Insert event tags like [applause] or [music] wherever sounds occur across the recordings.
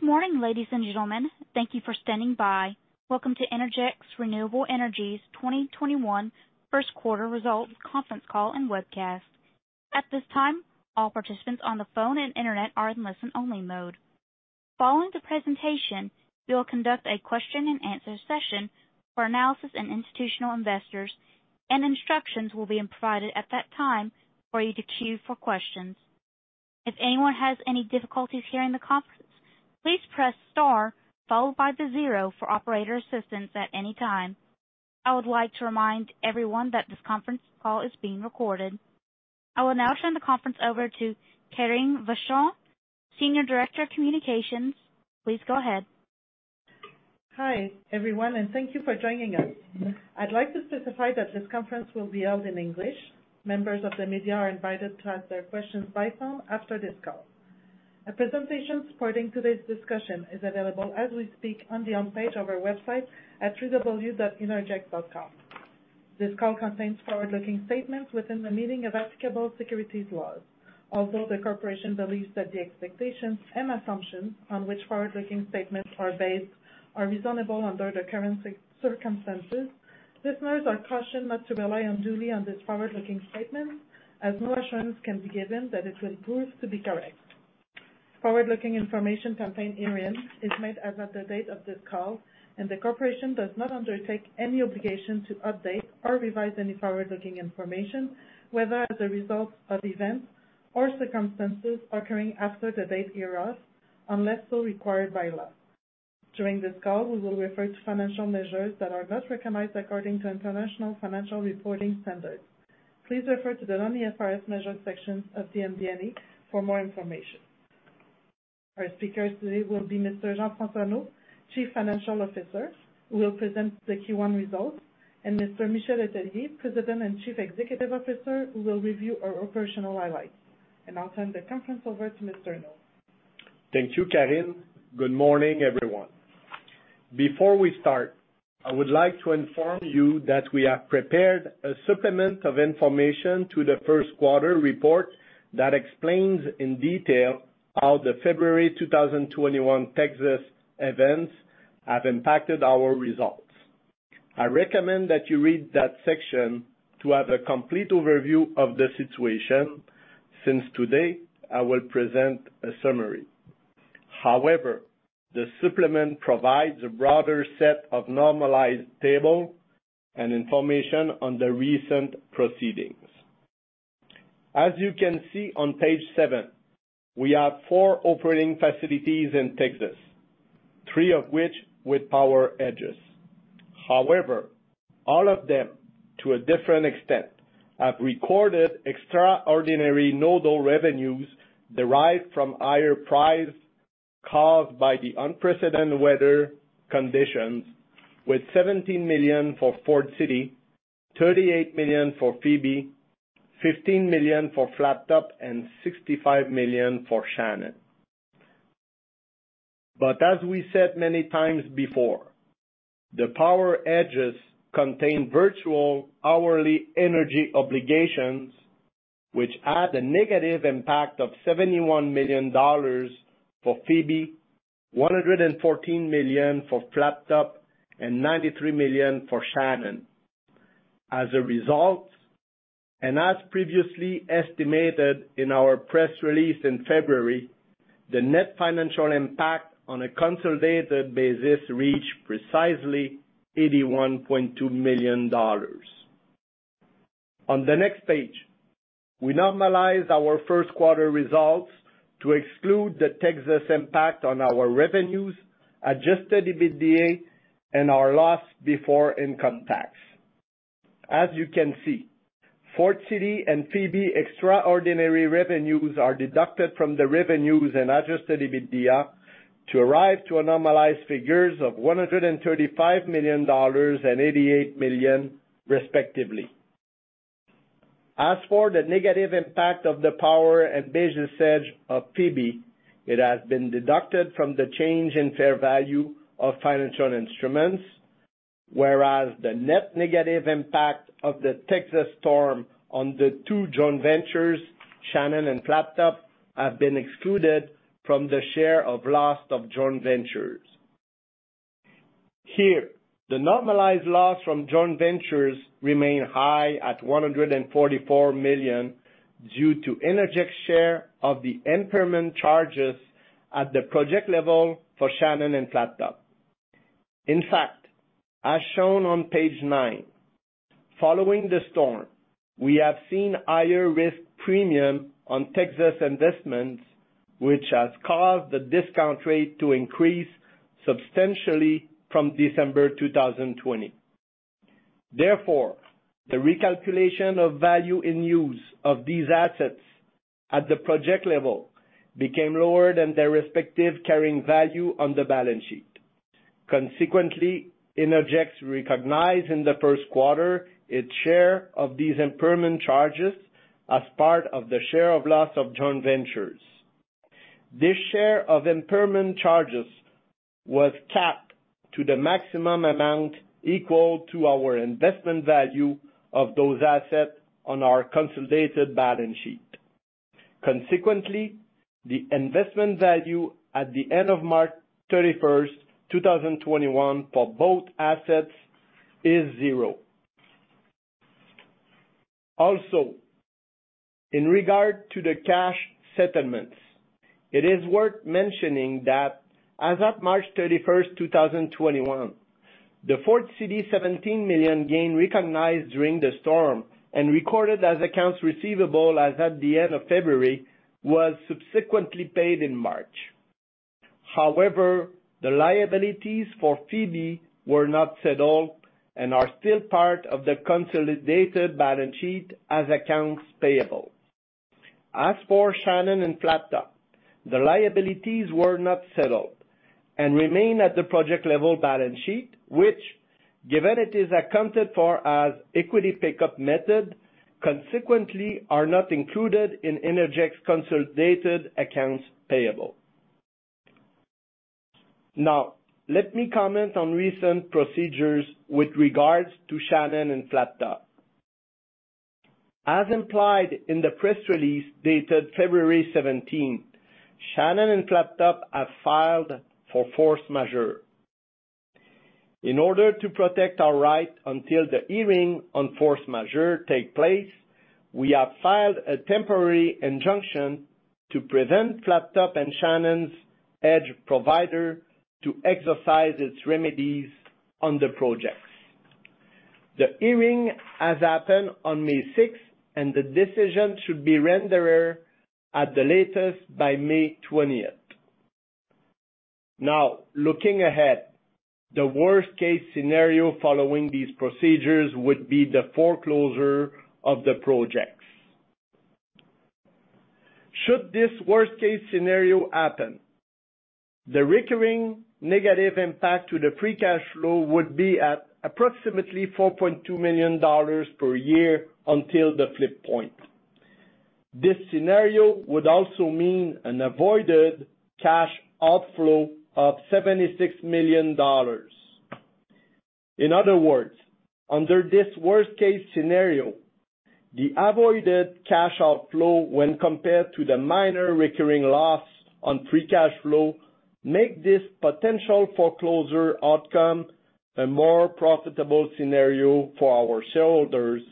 Good morning, ladies and gentlemen. Thank you for standing by. Welcome to Innergex Renewable Energy's 2021 First Quarter Results Conference Call and Webcast. At this time, all participants on the phone and internet are in listen-only mode. Following the presentation, we will conduct a question and answer session for analysis and institutional investors. Instructions will be provided at that time for you to queue for questions. If anyone has any difficulties hearing the conference, please press star followed by the zero for operator assistance at any time. I would like to remind everyone that this conference call is being recorded. I will now turn the conference over to Karine Vachon, Senior Director of Communications. Please go ahead. Hi everyone, and thank you for joining us. I'd like to specify that this conference will be held in English. Members of the media are invited to ask their questions by phone after this call. A presentation supporting today's discussion is available as we speak on the home page of our website at www.innergex.com. This call contains forward-looking statements within the meaning of applicable securities laws. Although the corporation believes that the expectations and assumptions on which forward-looking statements are based are reasonable under the current circumstances, listeners are cautioned not to rely unduly on these forward-looking statements, as no assurance can be given that it will prove to be correct. Forward-looking information contained herein is made as of the date of this call, and the corporation does not undertake any obligation to update or revise any forward-looking information, whether as a result of events or circumstances occurring after the date hereof, unless so required by law. During this call, we will refer to financial measures that are not recognized according to International Financial Reporting Standards. Please refer to the non-IFRS measures section of the MD&A for more information. Our speakers today will be Mr. Jean-François Neault, Chief Financial Officer, who will present the Q1 results, and Mr. Michel Letellier, President and Chief Executive Officer, who will review our operational highlights. I'll turn the conference over to Mr. Neault. Thank you, Karine. Good morning, everyone. Before we start, I would like to inform you that we have prepared a supplement of information to the first quarter report that explains in detail how the February 2021 Texas events have impacted our results. I recommend that you read that section to have a complete overview of the situation, since today I will present a summary. The supplement provides a broader set of normalized table and information on the recent proceedings. As you can see on page seven, we have four operating facilities in Texas, three of which with power hedges. All of them, to a different extent, have recorded extraordinary nodal revenues derived from higher price caused by the unprecedented weather conditions with 17 million for Port City, 38 million for Phoebe, 15 million for Flattop, and 65 million for Shannon. As we said many times before, the power hedges contain virtual hourly energy obligations, which had a negative impact of 71 million dollars for Phoebe, 114 million for Flattop, and 93 million for Shannon. As a result, and as previously estimated in our press release in February, the net financial impact on a consolidated basis reached precisely 81.2 million dollars. On the next page, we normalize our first quarter results to exclude the Texas impact on our revenues, Adjusted EBITDA, and our loss before income tax. As you can see, Port City and Phoebe extraordinary revenues are deducted from the revenues and Adjusted EBITDA to arrive to a normalized figures of 135 million dollars and 88 million, respectively. As for the negative impact of the power and basis hedge of Phoebe, it has been deducted from the change in fair value of financial instruments, whereas the net negative impact of the Texas storm on the two joint ventures, Shannon and Flattop, have been excluded from the share of loss of joint ventures. Here, the normalized loss from joint ventures remain high at 144 million due to Innergex share of the impairment charges at the project level for Shannon and Flattop. In fact, as shown on page nine, following the storm, we have seen higher risk premium on Texas investments, which has caused the discount rate to increase substantially from December 2020. Therefore, the recalculation of value in use of these assets at the project level became lower than their respective carrying value on the balance sheet. Consequently, Innergex recognized in the first quarter its share of these impairment charges as part of the share of loss of joint ventures. This share of impairment charges was capped to the maximum amount equal to our investment value of those assets on our consolidated balance sheet. Consequently, the investment value at the end of March 31st, 2021, for both assets is zero. Also, in regard to the cash settlements, it is worth mentioning that as at March 31st, 2021, the Port City 17 million gain recognized during the storm and recorded as accounts receivable as at the end of February, was subsequently paid in March. The liabilities for Phoebe were not settled and are still part of the consolidated balance sheet as accounts payable. As for Shannon and Flat Top, the liabilities were not settled and remain at the project-level balance sheet, which, given it is accounted for as equity pick-up method, consequently are not included in Innergex consolidated accounts payable. Now, let me comment on recent procedures with regards to Shannon and Flat Top. As implied in the press release dated February 17, Shannon and Flat Top have filed for force majeure. In order to protect our right until the hearing on force majeure takes place, we have filed a temporary injunction to prevent Flat Top and Shannon's hedge provider to exercise its remedies on the projects. The hearing has happened on May 6th and the decision should be rendered at the latest by May 20th. Now, looking ahead, the worst-case scenario following these procedures would be the foreclosure of the projects. Should this worst-case scenario happen, the recurring negative impact to the free cash flow would be at approximately 4.2 million dollars per year until the flip point. This scenario would also mean an avoided cash outflow of 76 million dollars. In other words, under this worst-case scenario, the avoided cash outflow when compared to the minor recurring loss on free cash flow make this potential foreclosure outcome a more profitable scenario for our shareholders,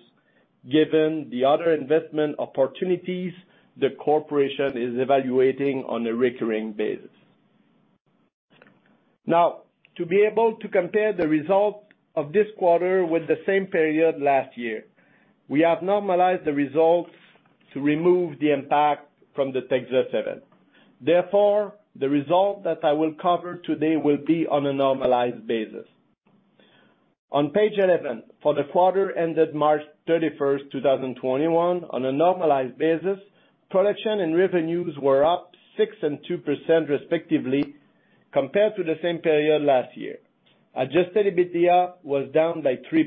given the other investment opportunities the corporation is evaluating on a recurring basis. Now, to be able to compare the results of this quarter with the same period last year, we have normalized the results to remove the impact from the Texas event. Therefore, the result that I will cover today will be on a normalized basis. On page 11, for the quarter ended March 31st, 2021, on a normalized basis, production and revenues were up 6% and 2% respectively compared to the same period last year. Adjusted EBITDA was down by 3%.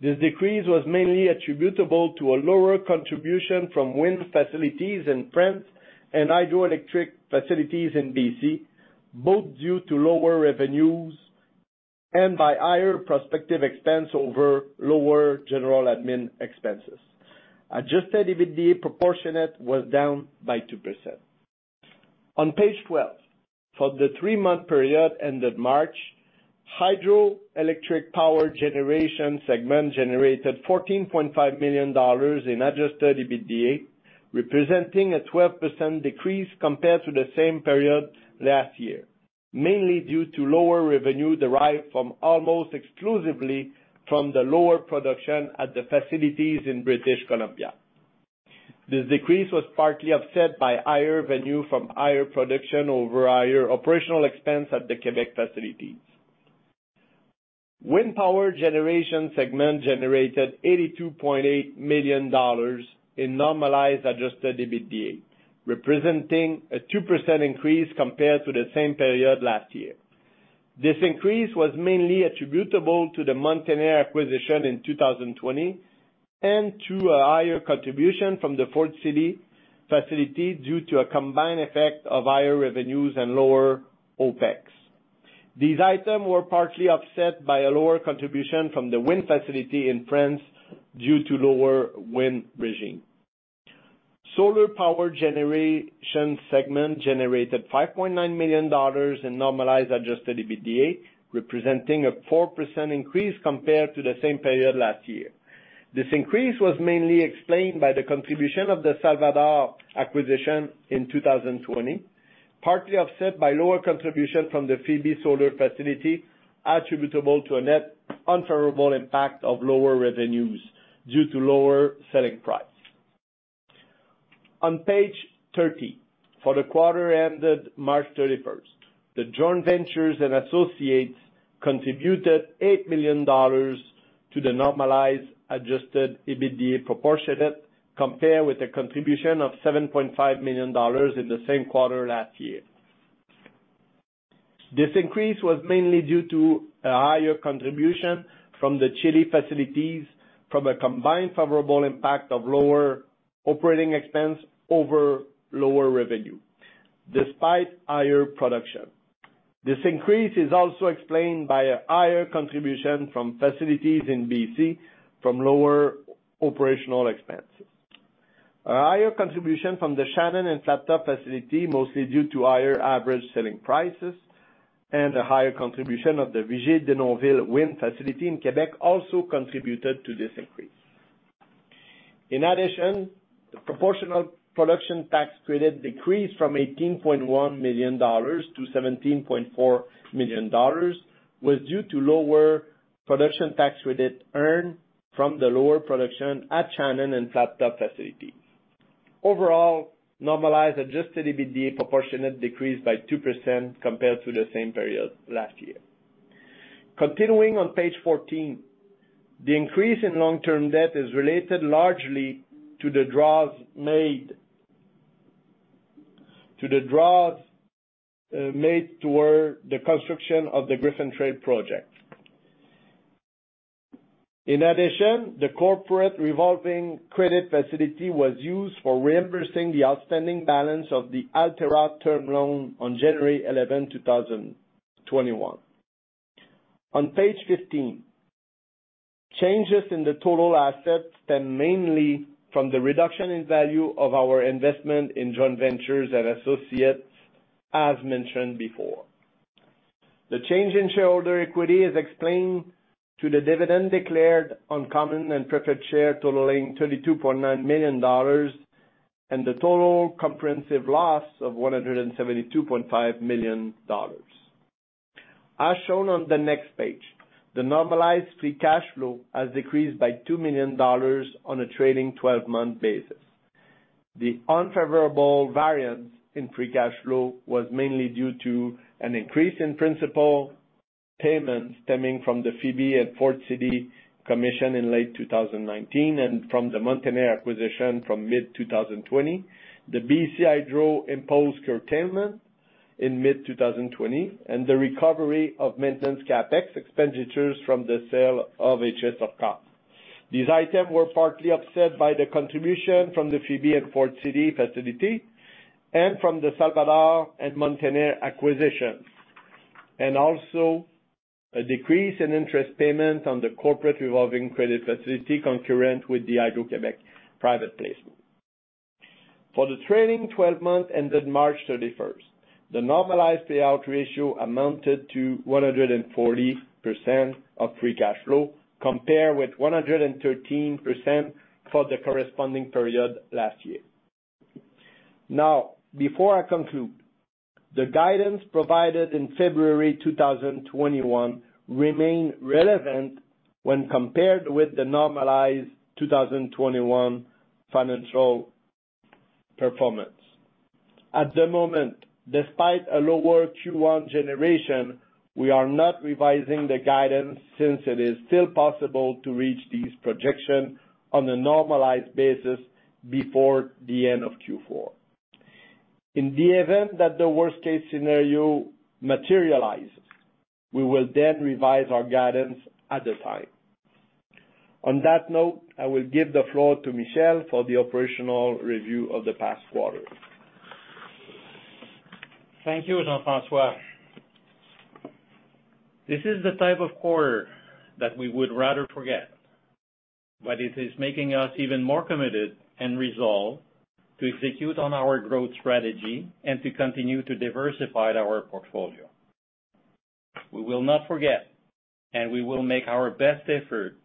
This decrease was mainly attributable to a lower contribution from wind facilities in France and hydroelectric facilities in BC, both due to lower revenues and by higher OPEX over lower general admin expenses. Adjusted EBITDA Proportionate was down by 2%. On page 12, for the three-month period ended March, hydroelectric power generation segment generated 14.5 million dollars in Adjusted EBITDA, representing a 12% decrease compared to the same period last year, mainly due to lower revenue derived almost exclusively from the lower production at the facilities in British Columbia. This decrease was partly offset by higher revenue from higher production over higher operational expense at the Quebec facilities. Wind power generation segment generated 82.8 million dollars in normalized Adjusted EBITDA, representing a 2% increase compared to the same period last year. This increase was mainly attributable to the Mountain Air acquisition in 2020 and to a higher contribution from the Foard City facility due to a combined effect of higher revenues and lower OPEX. These items were partly offset by a lower contribution from the wind facility in France due to lower wind regime. Solar power generation segment generated 5.9 million dollars in normalized Adjusted EBITDA, representing a 4% increase compared to the same period last year. This increase was mainly explained by the contribution of the Salvador acquisition in 2020, partly offset by lower contribution from the Phoebe Solar facility attributable to a net unfavorable impact of lower revenues due to lower selling price. On page 30, for the quarter ended March 31st, the joint ventures and associates contributed 8 million dollars to the normalized Adjusted EBITDA Proportionate, compared with a contribution of 7.5 million dollars in the same quarter last year. This increase was mainly due to a higher contribution from the Chile facilities from a combined favorable impact of lower operating expense over lower revenue despite higher production. This increase is also explained by a higher contribution from facilities in B.C. from lower operational expenses. A higher contribution from the Shannon and Flat Top facility, mostly due to higher average selling prices, and a higher contribution of the Régie de Norville wind facility in Quebec also contributed to this increase. In addition, the proportional Production Tax Credit decreased from 18.1 million dollars to 17.4 million dollars, was due to lower Production Tax Credit earned from the lower production at Shannon and Flat Top facilities. Overall, normalized Adjusted EBITDA Proportionate decreased by 2% compared to the same period last year. The increase in long-term debt is related largely to the draws made toward the construction of the Griffin Trail project. The corporate revolving credit facility was used for reimbursing the outstanding balance of the Alterra term loan on January 11, 2021. On page 15, changes in the total assets stem mainly from the reduction in value of our investment in joint ventures and associates, as mentioned before. The change in shareholder equity is explained to the dividend declared on common and preferred share totaling 32.9 million dollars, and the total comprehensive loss of 172.5 million dollars. Shown on the next page, the normalized free cash flow has decreased by 2 million dollars on a trailing 12-month basis. The unfavorable variance in free cash flow was mainly due to an increase in principal payments stemming from the Phoebe at Port City commission in late 2019, and from the Montaner acquisition from mid-2020. The BC Hydro imposed curtailment in mid-2020, and the recovery of maintenance CapEx expenditures from the sale of HS of COP. These items were partly offset by the contribution from the Phoebe and Port City facility and from the Salvador and Montaner acquisitions, and also a decrease in interest payments on the corporate revolving credit facility concurrent with the Hydro-Québec private placement. For the trailing 12 months ended March 31st, the normalized payout ratio amounted to 140% of free cash flow, compared with 113% for the corresponding period last year. Now, before I conclude, the guidance provided in February 2021 remain relevant when compared with the normalized 2021 financial performance. At the moment, despite a lower Q1 generation, we are not revising the guidance since it is still possible to reach these projections on a normalized basis before the end of Q4. In the event that the worst case scenario materializes, we will then revise our guidance at the time. On that note, I will give the floor to Michel for the operational review of the past quarter. Thank you, Jean-François. This is the type of quarter that we would rather forget, but it is making us even more committed and resolved to execute on our growth strategy and to continue to diversify our portfolio. We will not forget, and we will make our best effort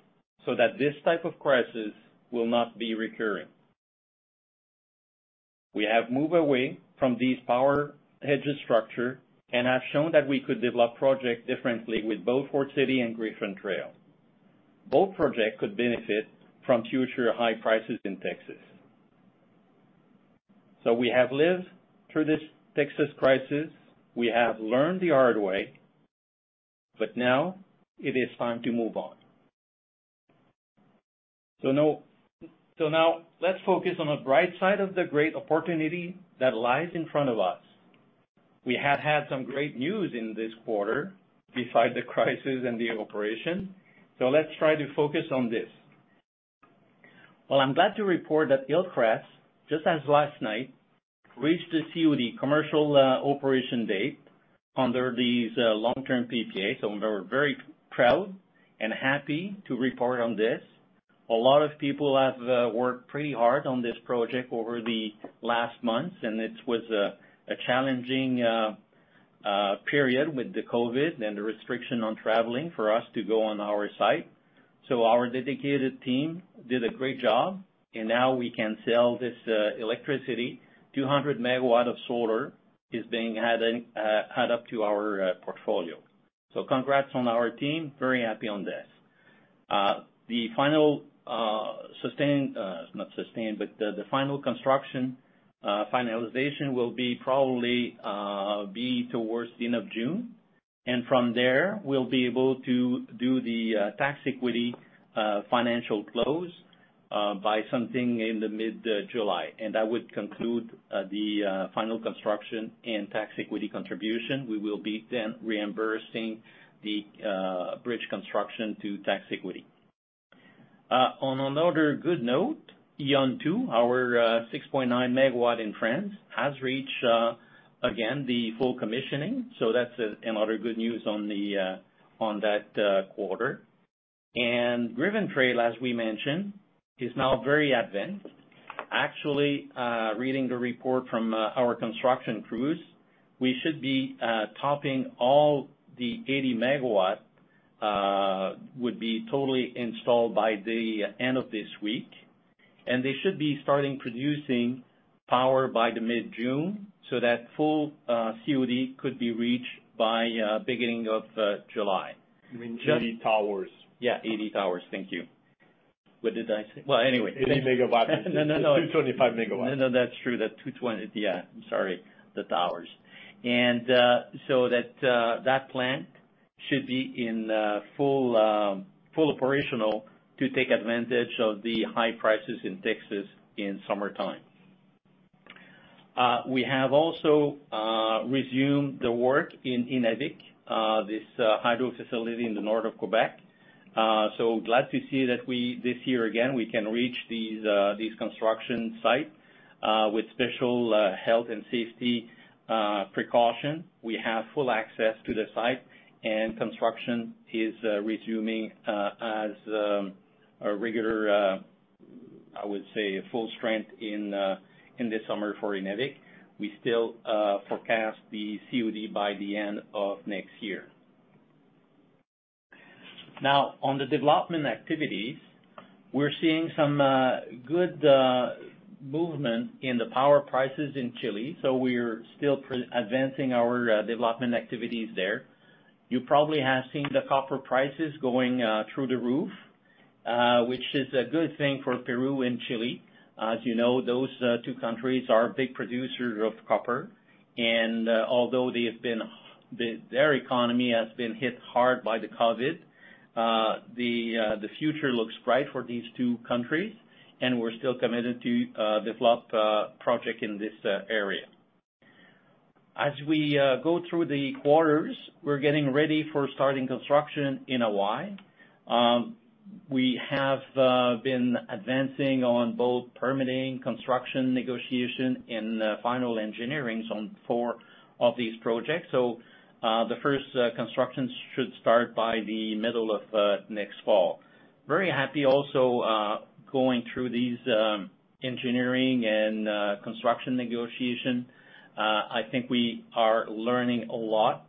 so that this type of crisis will not be recurring. We have moved away from this power hedge structure and have shown that we could develop projects differently with both Port City and Griffin Trail. Both projects could benefit from future high prices in Texas. We have lived through this Texas crisis. We have learned the hard way, but now it is time to move on. Now let's focus on the bright side of the great opportunity that lies in front of us. We have had some great news in this quarter besides the crisis and the operation, so let's try to focus on this. Well, I'm glad to report that Hillcrest, just as last night, reached the COD, commercial operation date under these long-term PPAs, so we're very proud and happy to report on this. A lot of people have worked pretty hard on this project over the last months, and it was a challenging period with the COVID and the restriction on traveling for us to go on our site. So our dedicated team did a great job, and now we can sell this electricity. 200 MW of solar is being added up to our portfolio. Congrats on our team. Very happy on this. The final construction finalization will probably be towards the end of June. From there, we'll be able to do the tax equity financial close by something in the mid-July. That would conclude the final construction and tax equity contribution. We will be then reimbursing the bridge construction to tax equity. On another good note, Yonne 2, our 6.9 MW in France, has reached, again, the full commissioning. That's another good news on that quarter. Griffin Trail, as we mentioned, is now very advanced. Actually, reading the report from our construction crews, we should be topping all the 80 MW, would be totally installed by the end of this week. They should be starting producing power by the mid-June, so that full COD could be reached by beginning of July. You mean 80 towers? Yeah, 80 towers. Thank you. What did I say? Well, anyway. 80 MW. No, no. It's 225 MW. No, no, that's true. Yeah. Sorry, the towers. So that plant should be in full operation to take advantage of the high prices in Texas in summertime. We have also resumed the work in Innavik, this hydro facility in the north of Quebec. Glad to see that this year again, we can reach these construction sites, with special health and safety precautions. We have full access to the site, construction is resuming, I would say full strength in this summer for Innavik. We still forecast the COD by the end of next year. On the development activities, we're seeing some good movement in the power prices in Chile, we're still advancing our development activities there. You probably have seen the copper prices going through the roof, which is a good thing for Peru and Chile. As you know, those two countries are big producers of copper. Although their economy has been hit hard by the COVID, the future looks bright for these two countries. We're still committed to develop project in this area. As we go through the quarters, we're getting ready for starting construction in Hawaii. We have been advancing on both permitting, construction negotiation, and final engineerings on four of these projects. The first constructions should start by the middle of next fall. Very happy also, going through these engineering and construction negotiation. I think we are learning a lot.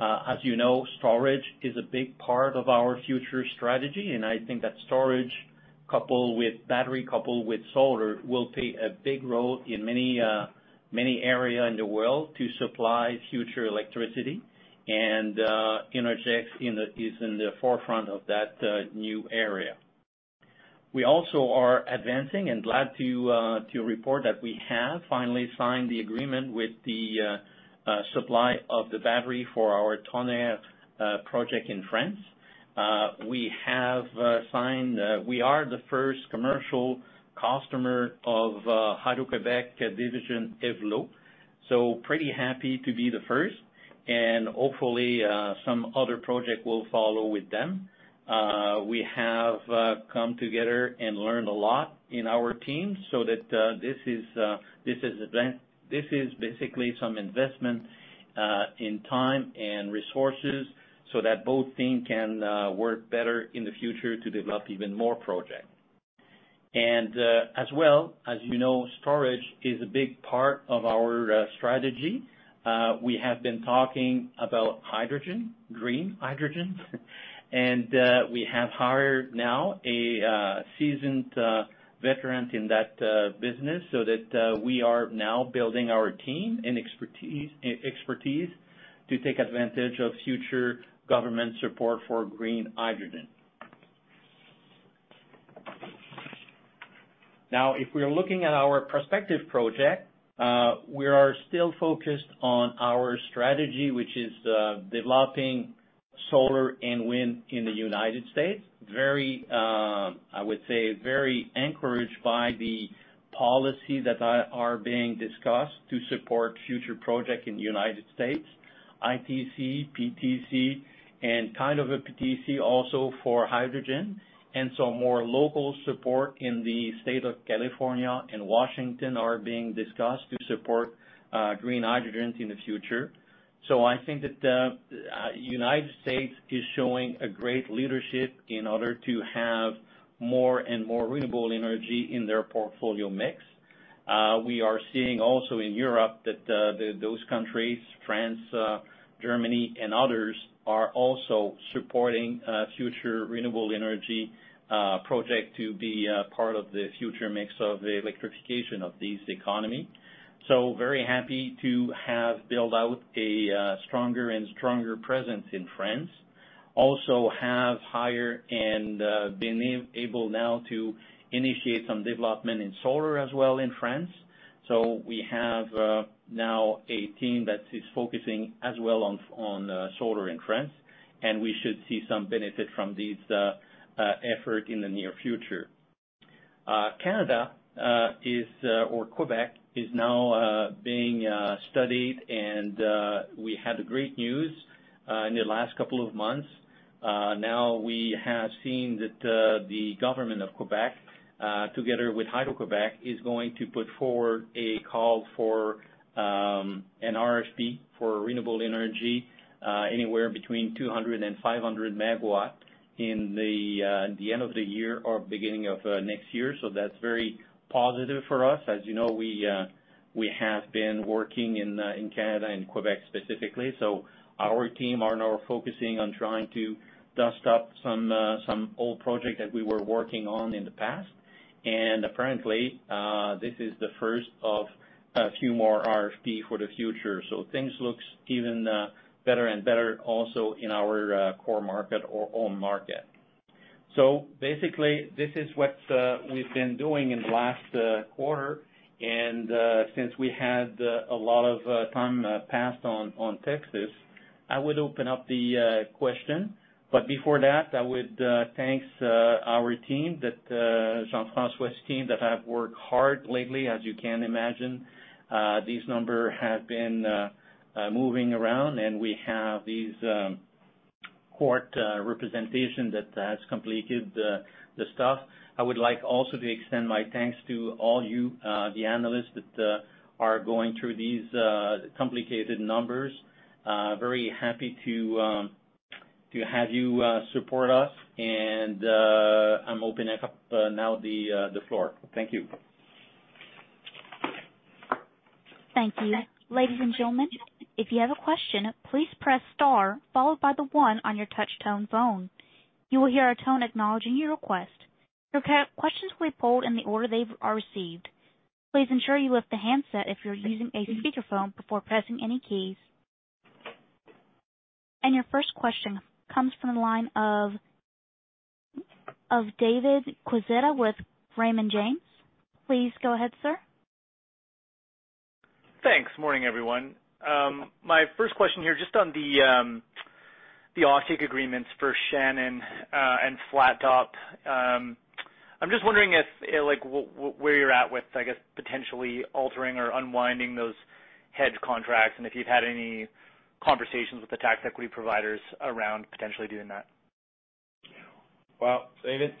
As you know, storage is a big part of our future strategy. I think that storage coupled with battery, coupled with solar, will play a big role in many area in the world to supply future electricity. Innergex is in the forefront of that new area. We also are advancing and glad to report that we have finally signed the agreement with the supply of the battery for our Tonnerre project in France. We are the first commercial customer of Hydro-Québec division, EVLO. Pretty happy to be the first, and hopefully, some other project will follow with them. We have come together and learned a lot in our team so that this is basically some investment in time and resources, so that both team can work better in the future to develop even more project. As well, as you know, storage is a big part of our strategy. We have been talking about hydrogen, green hydrogen, and we have hired now a seasoned veteran in that business, so that we are now building our team and expertise to take advantage of future government support for green hydrogen. If we are looking at our prospective project, we are still focused on our strategy, which is developing solar and wind in the United States. I would say very encouraged by the policy that are being discussed to support future project in the United States, ITC, PTC, and kind of a PTC also for hydrogen. More local support in the state of California and Washington are being discussed to support green hydrogens in the future. I think that United States is showing a great leadership in order to have more and more renewable energy in their portfolio mix. We are seeing also in Europe that those countries, France, Germany, and others, are also supporting future renewable energy project to be part of the future mix of the electrification of this economy. Very happy to have built out a stronger and stronger presence in France. We have hired and been able now to initiate some development in solar as well in France. We have now a team that is focusing as well on solar in France, and we should see some benefit from this effort in the near future. Canada or Quebec is now being studied, and we had great news in the last couple of months. We have seen that the government of Quebec, together with Hydro-Québec, is going to put forward a call for an RFP for renewable energy, anywhere between 200 and 500 MW in the end of the year or beginning of next year. That's very positive for us. As you know, we have been working in Canada and Quebec specifically. Our team are now focusing on trying to dust off some old projects that we were working on in the past. Apparently, this is the first of a few more RFPs for the future. Things look even better and better also in our core market or own market. Basically, this is what we've been doing in the last quarter. Since we had a lot of time passed on Texas, I would open up the question. Before that, I would thank our team, Jean-François's team, that have worked hard lately, as you can imagine. These numbers have been moving around, and we have these court representations that has completed the stuff. I would like also to extend my thanks to all you, the analysts, that are going through these complicated numbers. Very happy to have you support us, and I'm opening up now the floor. Thank you. Thank you. Ladies and gentlemen, if you have a question, please press star followed by the one on your touchtone phone. You will hear a tone acknowledging your request. Your questions will be pulled in the order they are received. Please ensure you lift the handset if you're using a speakerphone before pressing any keys. Your first question comes from the line of David Quezada with Raymond James. Please go ahead, sir. Thanks. Morning, everyone. My first question here, just on the offtake agreements for Shannon and Flattop. I'm just wondering where you're at with, I guess, potentially altering or unwinding those hedge contracts, and if you've had any conversations with the tax equity providers around potentially doing that. Well, David,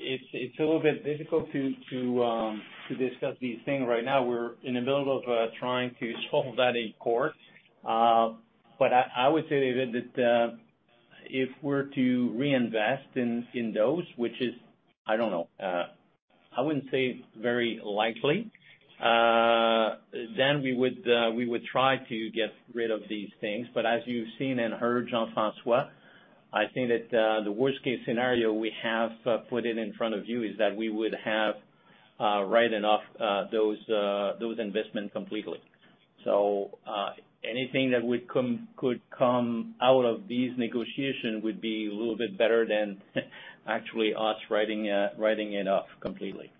it's a little bit difficult to discuss these things right now. We're in the middle of trying to solve that in court. I would say, David, that if we're to reinvest in those, which is, I don't know, I wouldn't say very likely, then we would try to get rid of these things. As you've seen and heard, Jean-François, I think that the worst-case scenario we have put in front of you is that we would have write off those investments completely. Anything that could come out of these negotiations would be a little bit better than actually us writing it off completely.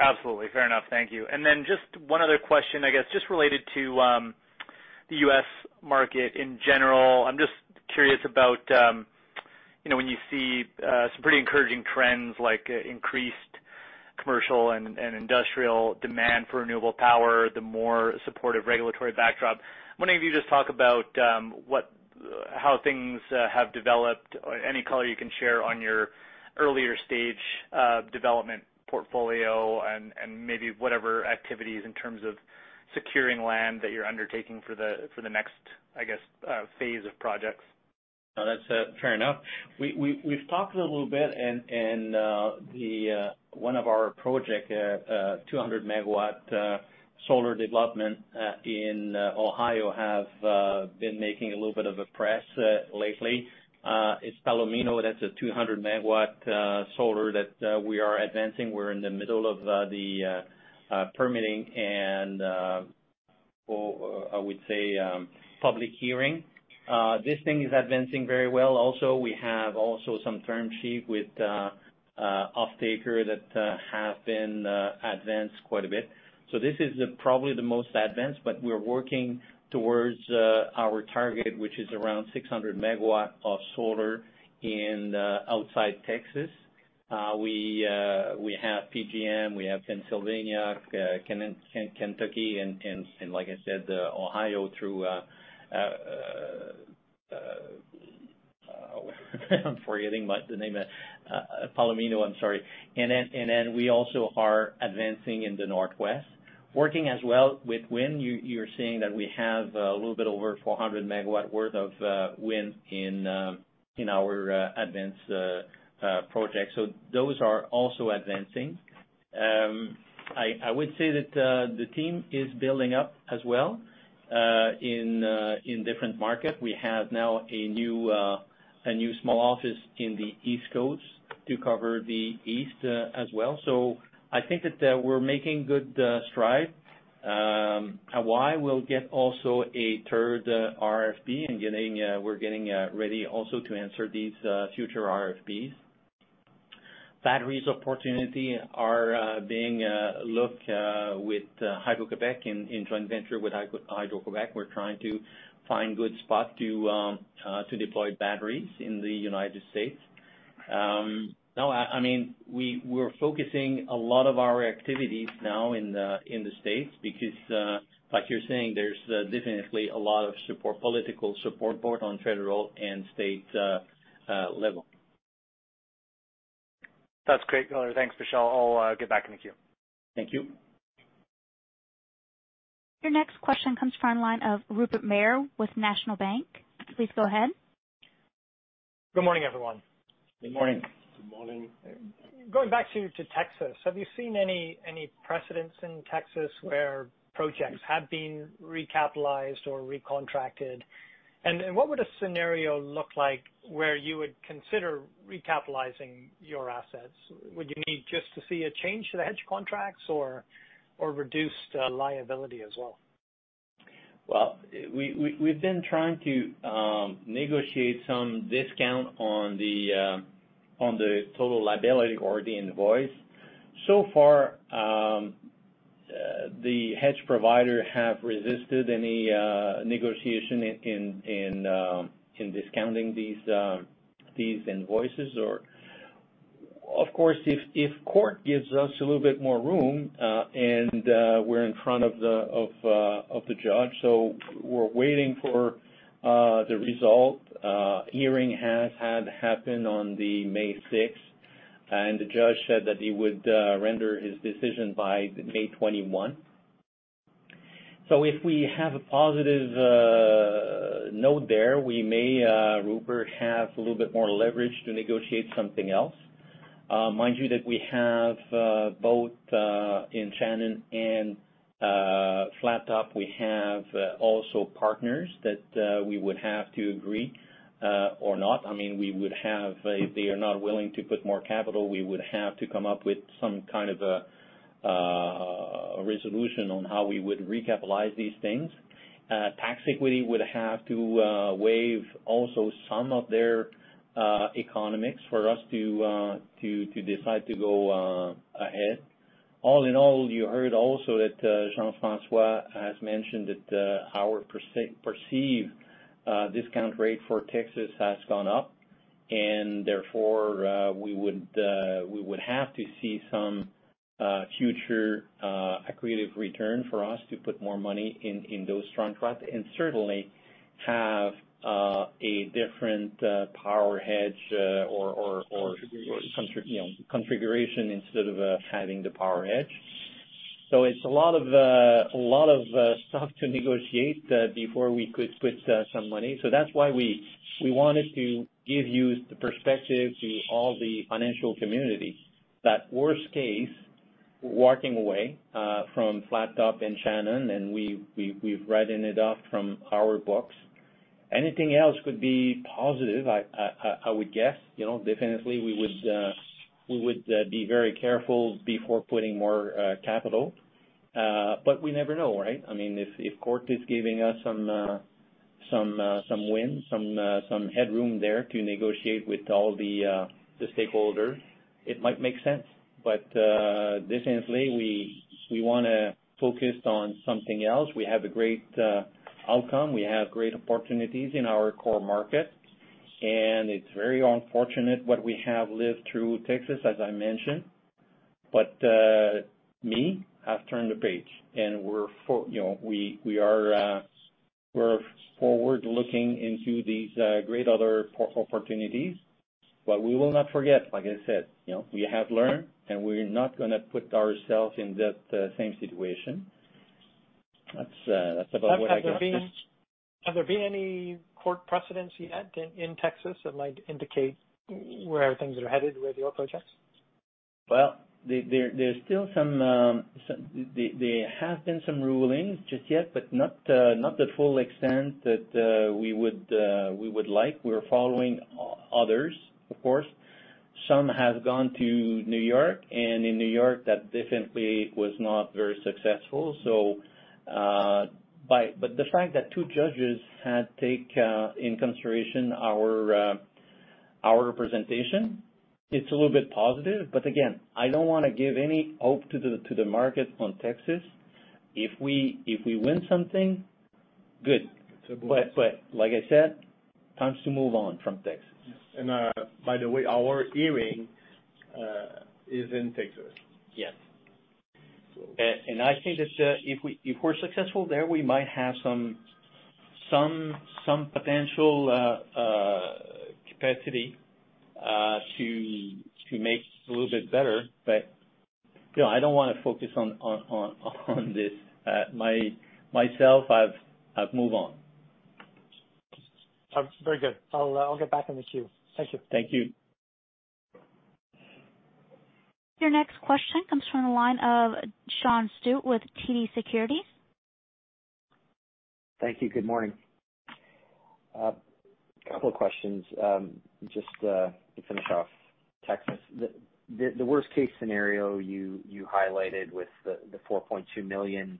Absolutely. Fair enough. Thank you. Just one other question, I guess, just related to the U.S. market in general. I'm just curious about when you see some pretty encouraging trends like increased commercial and industrial demand for renewable power, the more supportive regulatory backdrop. I'm wondering if you could just talk about how things have developed or any color you can share on your earlier-stage development portfolio and maybe whatever activities in terms of securing land that you're undertaking for the next, I guess, phase of projects. No, that's fair enough. We've talked a little bit, and one of our projects, a 200 MW solar development in Ohio, have been making a little bit of a press lately. It's Palomino, that's a 200 MW solar that we are advancing. We're in the middle of the permitting and, I would say, public hearing. This thing is advancing very well. Also, we have some term sheet with offtakers that have been advanced quite a bit. This is probably the most advanced, but we're working towards our target, which is around 600 MW of solar outside Texas. We have PJM, we have Pennsylvania, Kentucky, and like I said, Ohio through I'm forgetting the name. Palomino, I'm sorry. We also are advancing in the Northwest, working as well with wind. You're seeing that we have a little bit over 400 MW worth of wind in our advanced projects. Those are also advancing. I would say that the team is building up as well in different markets. We have now a new small office in the East Coast to cover the East as well. I think that we're making good strides. Hawaii will get also a third RFP, and we're getting ready also to answer these future RFPs. Batteries opportunity are being looked with Hydro-Québec, in joint venture with Hydro-Québec. We're trying to find good spots to deploy batteries in the United States. We're focusing a lot of our activities now in the U.S. because like you're saying, there's definitely a lot of political support both on federal and state level. That's great. No, thanks, Michel. I'll get back in the queue. Thank you. Your next question comes from the line of Rupert Merer with National Bank. Please go ahead. Good morning, everyone. Good morning. Good morning. Going back to Texas, have you seen any precedents in Texas where projects have been recapitalized or recontracted? What would a scenario look like where you would consider recapitalizing your assets? Would you need just to see a change to the hedge contracts or reduced liability as well? Well, we've been trying to negotiate some discount on the total liability or the invoice. So far, the hedge provider have resisted any negotiation in discounting these invoices. Of course, if court gives us a little bit more room, and we're in front of the judge, so we're waiting for the result. Hearing had happened on May 6. The judge said that he would render his decision by May 21. If we have a positive note there, we may, Rupert, have a little bit more leverage to negotiate something else. Mind you that we have both in Shannon and Flattop, we have also partners that we would have to agree or not. If they are not willing to put more capital, we would have to come up with some kind of a resolution on how we would recapitalize these things. Tax equity would have to waive also some of their economics for us to decide to go ahead. All in all, you heard also that Jean-François has mentioned that our perceived discount rate for Texas has gone up, and therefore, we would have to see some future accretive return for us to put more money in those contracts and certainly have a different power hedge. Configuration Configuration instead of having the power hedge. It's a lot of stuff to negotiate before we could put some money. That's why we wanted to give you the perspective to all the financial community that worst case, walking away from Flat Top and Shannon, and we've written it off from our books. Anything else could be positive, I would guess. Definitely, we would be very careful before putting more capital. We never know, right? If court is giving us some wind, some headroom there to negotiate with all the stakeholders, it might make sense. Definitely, we want to focus on something else. We have a great outcome. We have great opportunities in our core market, and it's very unfortunate what we have lived through Texas, as I mentioned. Me, I've turned the page, and we're forward-looking into these great other opportunities. We will not forget, like I said. We have learned, and we're not going to put ourselves in that same situation. That's about [crosstalk] Have there been any court precedents yet in Texas that might indicate where things are headed with your projects? There have been some rulings just yet, but not the full extent that we would like. We're following others, of course. Some have gone to New York, and in New York that definitely was not very successful. The fact that two judges had take in consideration our representation, it's a little bit positive. Again, I don't want to give any hope to the market on Texas. If we win something, good. Like I said, time to move on from Texas. By the way, our hearing is in Texas. Yes. I think that if we're successful there, we might have some potential capacity to make a little bit better, but I don't want to focus on this. Myself, I've moved on. Very good. I'll get back in the queue. Thank you. Thank you. Your next question comes from the line of Sean Steuart with TD Securities. Thank you. Good morning. A couple of questions just to finish off Texas. The worst-case scenario you highlighted with the 4.2 million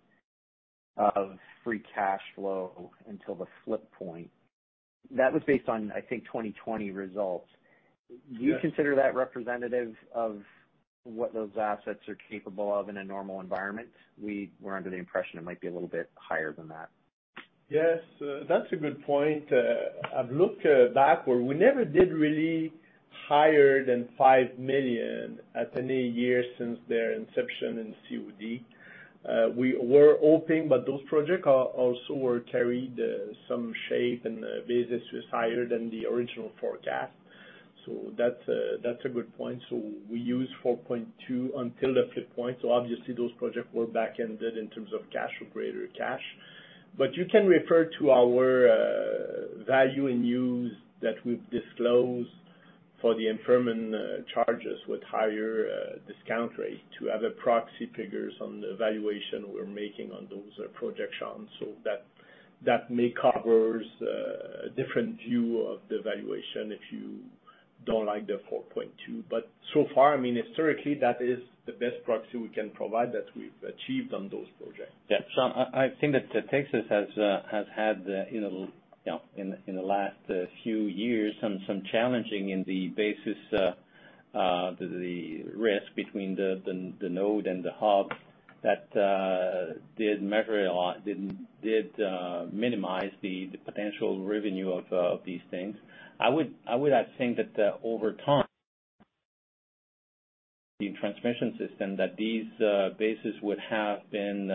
of free cash flow until the flip point, that was based on, I think, 2020 results. Do you consider that representative of what those assets are capable of in a normal environment? We were under the impression it might be a little bit higher than that. Yes. That's a good point. I've looked backward. We never did really higher than 5 million at any year since their inception in COD. Those projects also carried some shape and basis was higher than the original forecast. That's a good point. We use 4.2 until the flip point. Obviously those projects were backended in terms of cash or greater cash. You can refer to our value in use that we've disclosed for the impairment and charges with higher discount rate to have a proxy figures on the valuation we're making on those projections. That may cover a different view of the valuation if you don't like the 4.2. So far, historically, that is the best proxy we can provide that we've achieved on those projects. I think that Texas has had, in the last few years, some challenging in the basis, the risk between the node and the hub that did minimize the potential revenue of these things. I would think that over time, the transmission system, that these bases would have been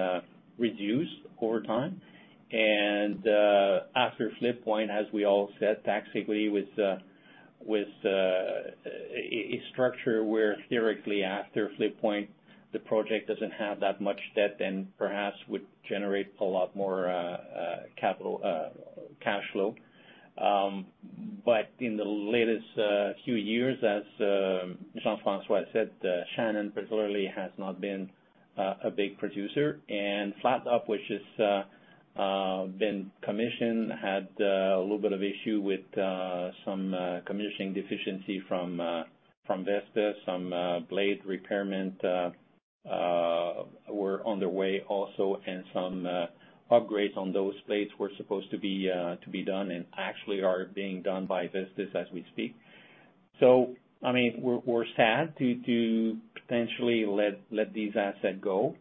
reduced over time. After flip point, as we all said, tax equity with a structure where theoretically after flip point, the project doesn't have that much debt and perhaps would generate a lot more cash flow. In the latest few years, as Jean-François said, Shannon particularly has not been a big producer. Flattop, which has been commissioned, had a little bit of issue with some commissioning deficiency from Vestas. Some blade repairment were on their way also, and some upgrades on those blades were supposed to be done and actually are being done by Vestas as we speak. We're sad to potentially let these assets go.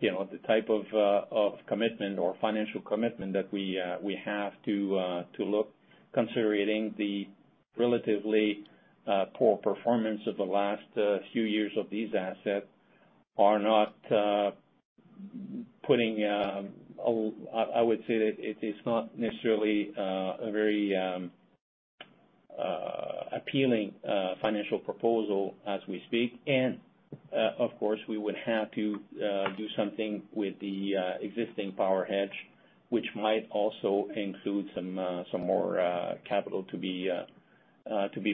The type of commitment or financial commitment that we have to look, considering the relatively poor performance of the last few years of these assets are not putting I would say that it is not necessarily a very appealing financial proposal as we speak. Of course, we would have to do something with the existing power hedge, which might also include some more capital to be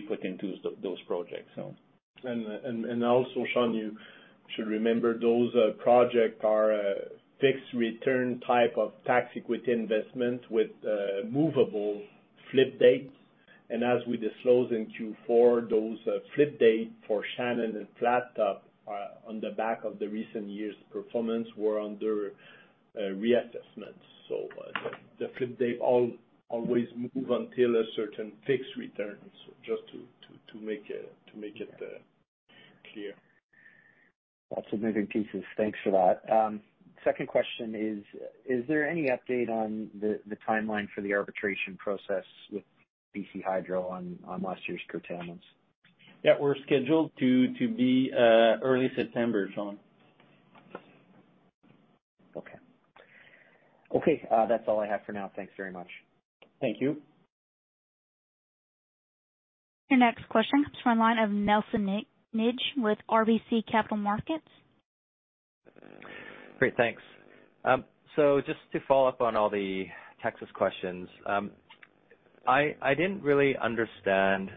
put into those projects. Also, Sean, you should remember those projects are a fixed return type of tax equity investment with movable flip dates. As we disclosed in Q4, those flip dates for Shannon and Flat Top on the back of the recent years' performance were under reassessment. The flip date always move until a certain fixed return. Just to make it clear. Lots of moving pieces. Thanks for that. Second question is there any update on the timeline for the arbitration process with BC Hydro on last year's curtailments? Yeah, we're scheduled to be early September, Sean. Okay. That's all I have for now. Thanks very much. Thank you. Your next question comes from the line of Nelson Ng with RBC Capital Markets. Great. Thanks. Just to follow up on all the Texas questions. I didn't really understand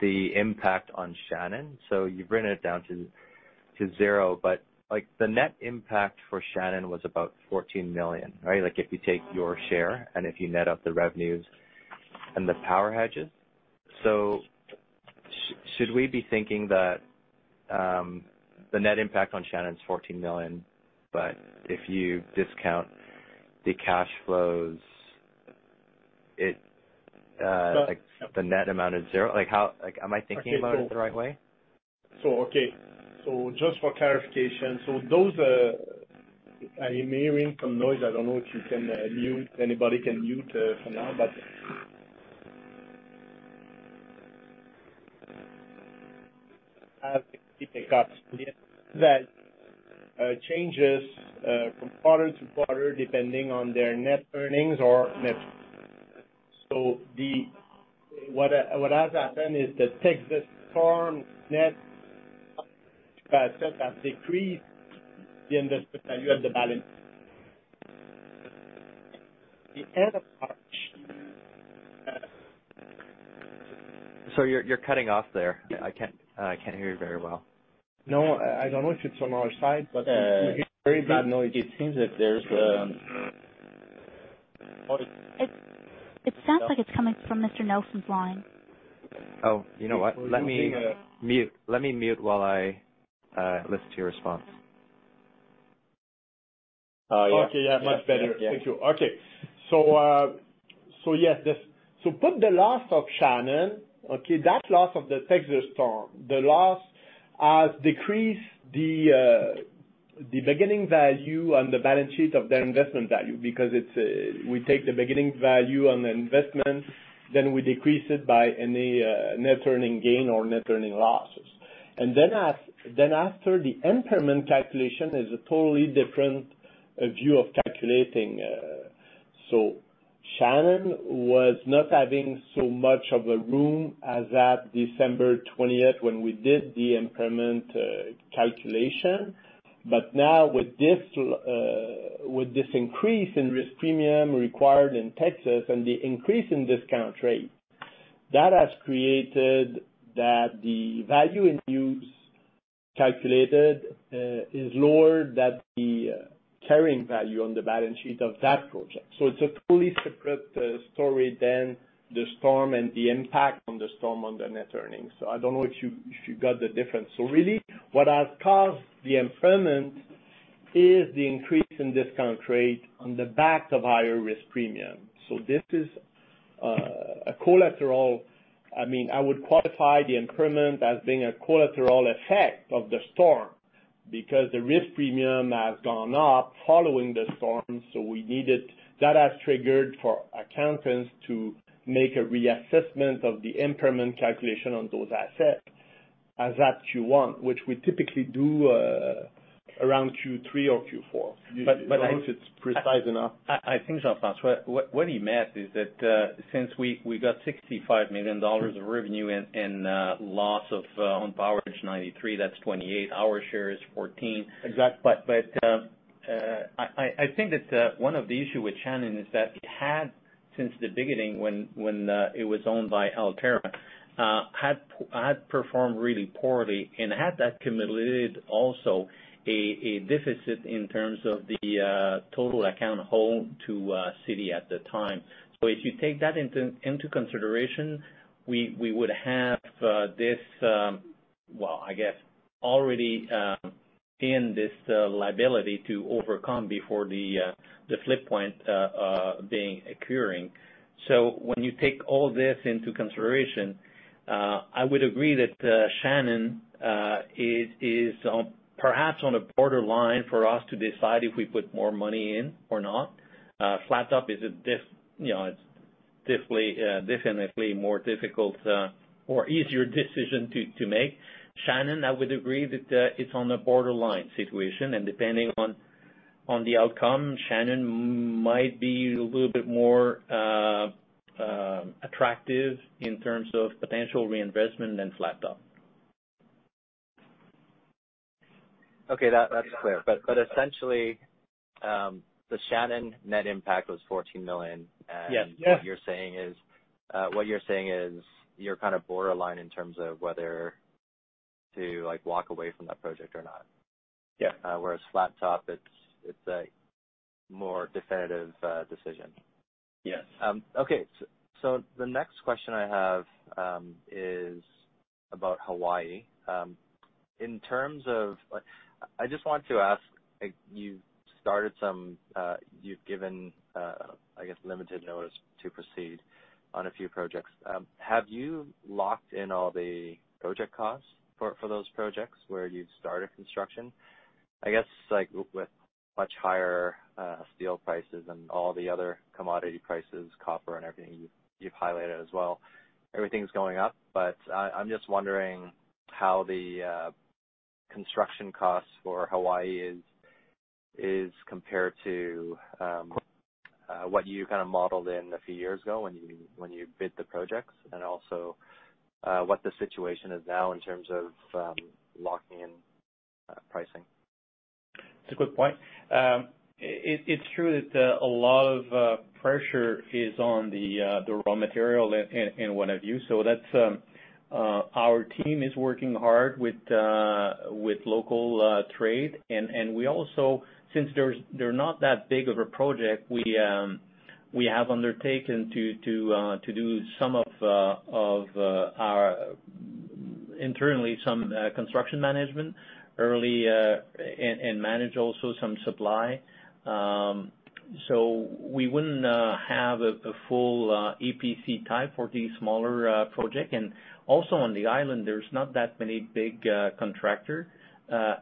the impact on Shannon. You've written it down to zero, but the net impact for Shannon was about 14 million, right? If you take your share and if you net up the revenues and the power hedges. Should we be thinking that the net impact on Shannon is 14 million, but if you discount the cash flows, the net amount is zero? Am I thinking about it the right way? Okay. Just for clarification. I'm hearing some noise. I don't know if you can mute, anybody can mute for now. That changes from quarter to quarter depending on their net earnings. What has happened is the Texas farm net has decreased the investment, you have the balance. The end of March. Sorry, you're cutting off there. I can't hear you very well. No, I don't know if it's on our side, but very bad noise. It seems that there's- It sounds like it's coming from Mr. Nelson's line. Oh, you know what? Let me mute while I listen to your response. Yeah. Much better. Thank you. Yes. Put the loss of Shannon. That loss of the Texas storm, the loss has decreased the beginning value on the balance sheet of the investment value, because we take the beginning value on the investment, then we decrease it by any net earnings gain or net earnings losses. After the impairment calculation, there's a totally different view of calculating. Shannon was not having so much of a room as at December 20th when we did the impairment calculation. Now with this increase in risk premium required in Texas and the increase in discount rate, that has created that the value in use calculated is lower than the carrying value on the balance sheet of that project. It's a totally separate story than the storm and the impact from the storm on the net earnings. I don't know if you got the difference. Really what has caused the impairment is the increase in discount rate on the back of higher risk premium. This is a collateral, I would qualify the impairment as being a collateral effect of the storm because the risk premium has gone up following the storm. That has triggered for accountants to make a reassessment of the impairment calculation on those assets as at Q1, which we typically do around Q3 or Q4. I don't know if it's precise enough. I think, Jean-François, what he meant is that, since we got 65 million dollars of revenue and loss of on power hedge 93, that's 28, our share is 14. Exactly. I think that one of the issue with Shannon is that it had, since the beginning, when it was owned by Alterra, had performed really poorly and had accumulated also a deficit in terms of the total account owed to Citi at the time. If you take that into consideration, we would have this, well, I guess, already in this liability to overcome before the flip point occurring. When you take all this into consideration, I would agree that Shannon is perhaps on a borderline for us to decide if we put more money in or not. Flat Top is definitely more difficult or easier decision to make. Shannon, I would agree that it's on a borderline situation, and depending on the outcome, Shannon might be a little bit more attractive in terms of potential reinvestment than Flat Top. Okay, that's clear. Essentially, the Shannon net impact was 14 million. Yes. Yeah What you're saying is, you're kind of borderline in terms of whether to walk away from that project or not. Yeah. Whereas Flattop, it's a more definitive decision. Yes. Okay. The next question I have is about Hawaii. I just want to ask, you've given, I guess, limited notice to proceed on a few projects. Have you locked in all the project costs for those projects where you've started construction? I guess, with much higher steel prices and all the other commodity prices, copper and everything you've highlighted as well, everything's going up, but I'm just wondering how the construction costs for Hawaii is compared to what you kind of modeled in a few years ago when you bid the projects, and also what the situation is now in terms of locking in pricing? It's a good point. It's true that a lot of pressure is on the raw material and what have you. Our team is working hard with local trade, and we also, since they're not that big of a project, we have undertaken to do internally some construction management early and manage also some supply. We wouldn't have a full EPC type for the smaller project. Also on the island, there's not that many big contractor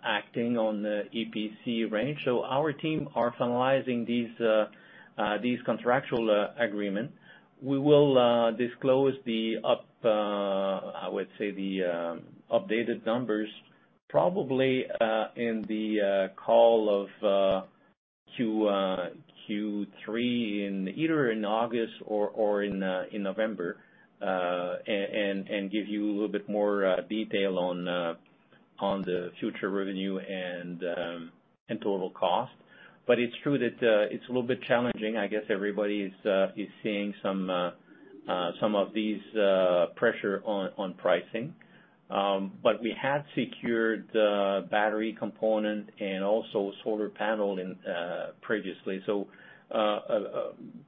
acting on the EPC range. Our team are finalizing these contractual agreement. We will disclose, I would say, the updated numbers probably in the call of Q3 either in August or in November, and give you a little bit more detail on the future revenue and total cost. It's true that it's a little bit challenging. I guess everybody is seeing some of these pressure on pricing. We had secured the battery component and also solar panel previously.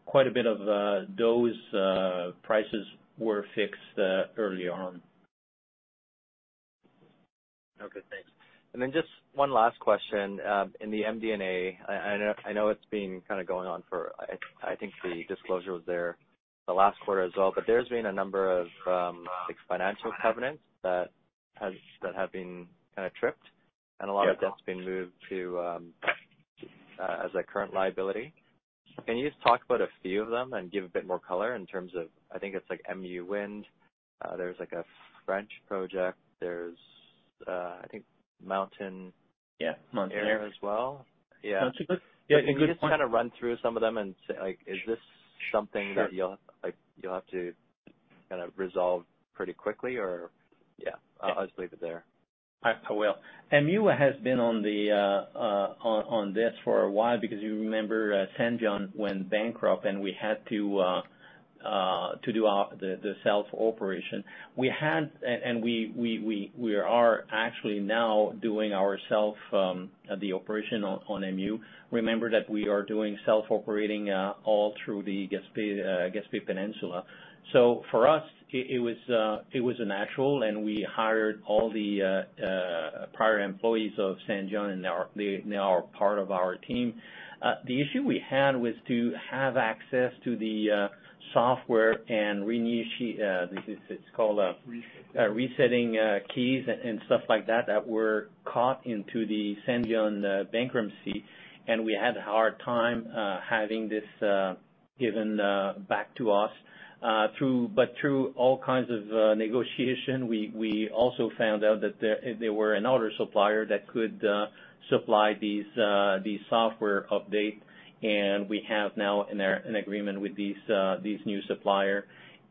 Quite a bit of those prices were fixed early on. Okay, thanks. Just one last question. In the MD&A, I know it's been going on for, I think the disclosure was there the last quarter as well, but there's been a number of financial covenants that have been kind of tripped. A lot of debt's been moved as a current liability. Can you just talk about a few of them and give a bit more color in terms of, I think it's like Mesgi’g Ugju’s’n Wind? There's a French project. There's, I think, Mountain. Yeah, Mountain Air. Air as well. Yeah. Sounds good. Can you just kind of run through some of them and say, is this something that you'll have to resolve pretty quickly or Yeah. I'll just leave it there. I will. Mesgi’g Ugju’s’n has been on this for a while because you remember Senvion went bankrupt and we had to do the self-operation. We are actually now doing the operation on Mesgi’g Ugju’s’n. Remember that we are doing self-operating all through the Gaspé Peninsula. For us, it was natural, and we hired all the prior employees of Senvion, and they are now part of our team. The issue we had was to have access to the software. Resetting keys and stuff like that that were caught into the Senvion bankruptcy. We had a hard time having this given back to us. Through all kinds of negotiation, we also found out that there were another supplier that could supply these software updates, and we have now an agreement with this new supplier.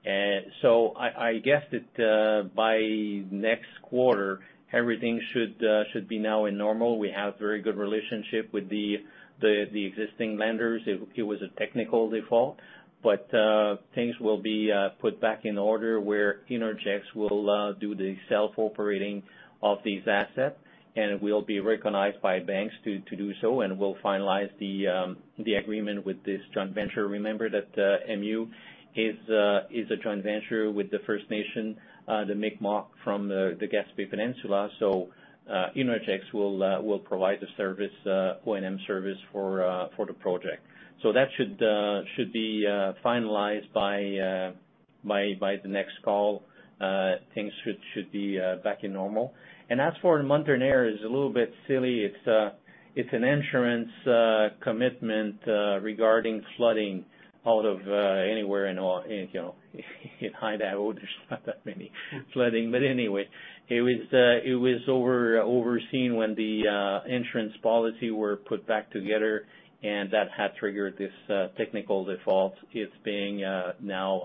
I guess that by next quarter, everything should be now in normal. We have very good relationship with the existing lenders. It was a technical default. Things will be put back in order where Innergex will do the self-operating of these assets, and it will be recognized by banks to do so, and we'll finalize the agreement with this joint venture. Remember that Mesgi’g Ugju’s’n is a joint venture with the First Nation, the Mi'kmaq from the Gaspé Peninsula. Innergex will provide the O&M service for the project. That should be finalized by the next call. Things should be back in normal. As for Mountain Air, is a little bit silly. It's an insurance commitment regarding flooding out of anywhere in high altitude. There's not that many flooding. Anyway, it was overseen when the insurance policy were put back together, and that had triggered this technical default. It's now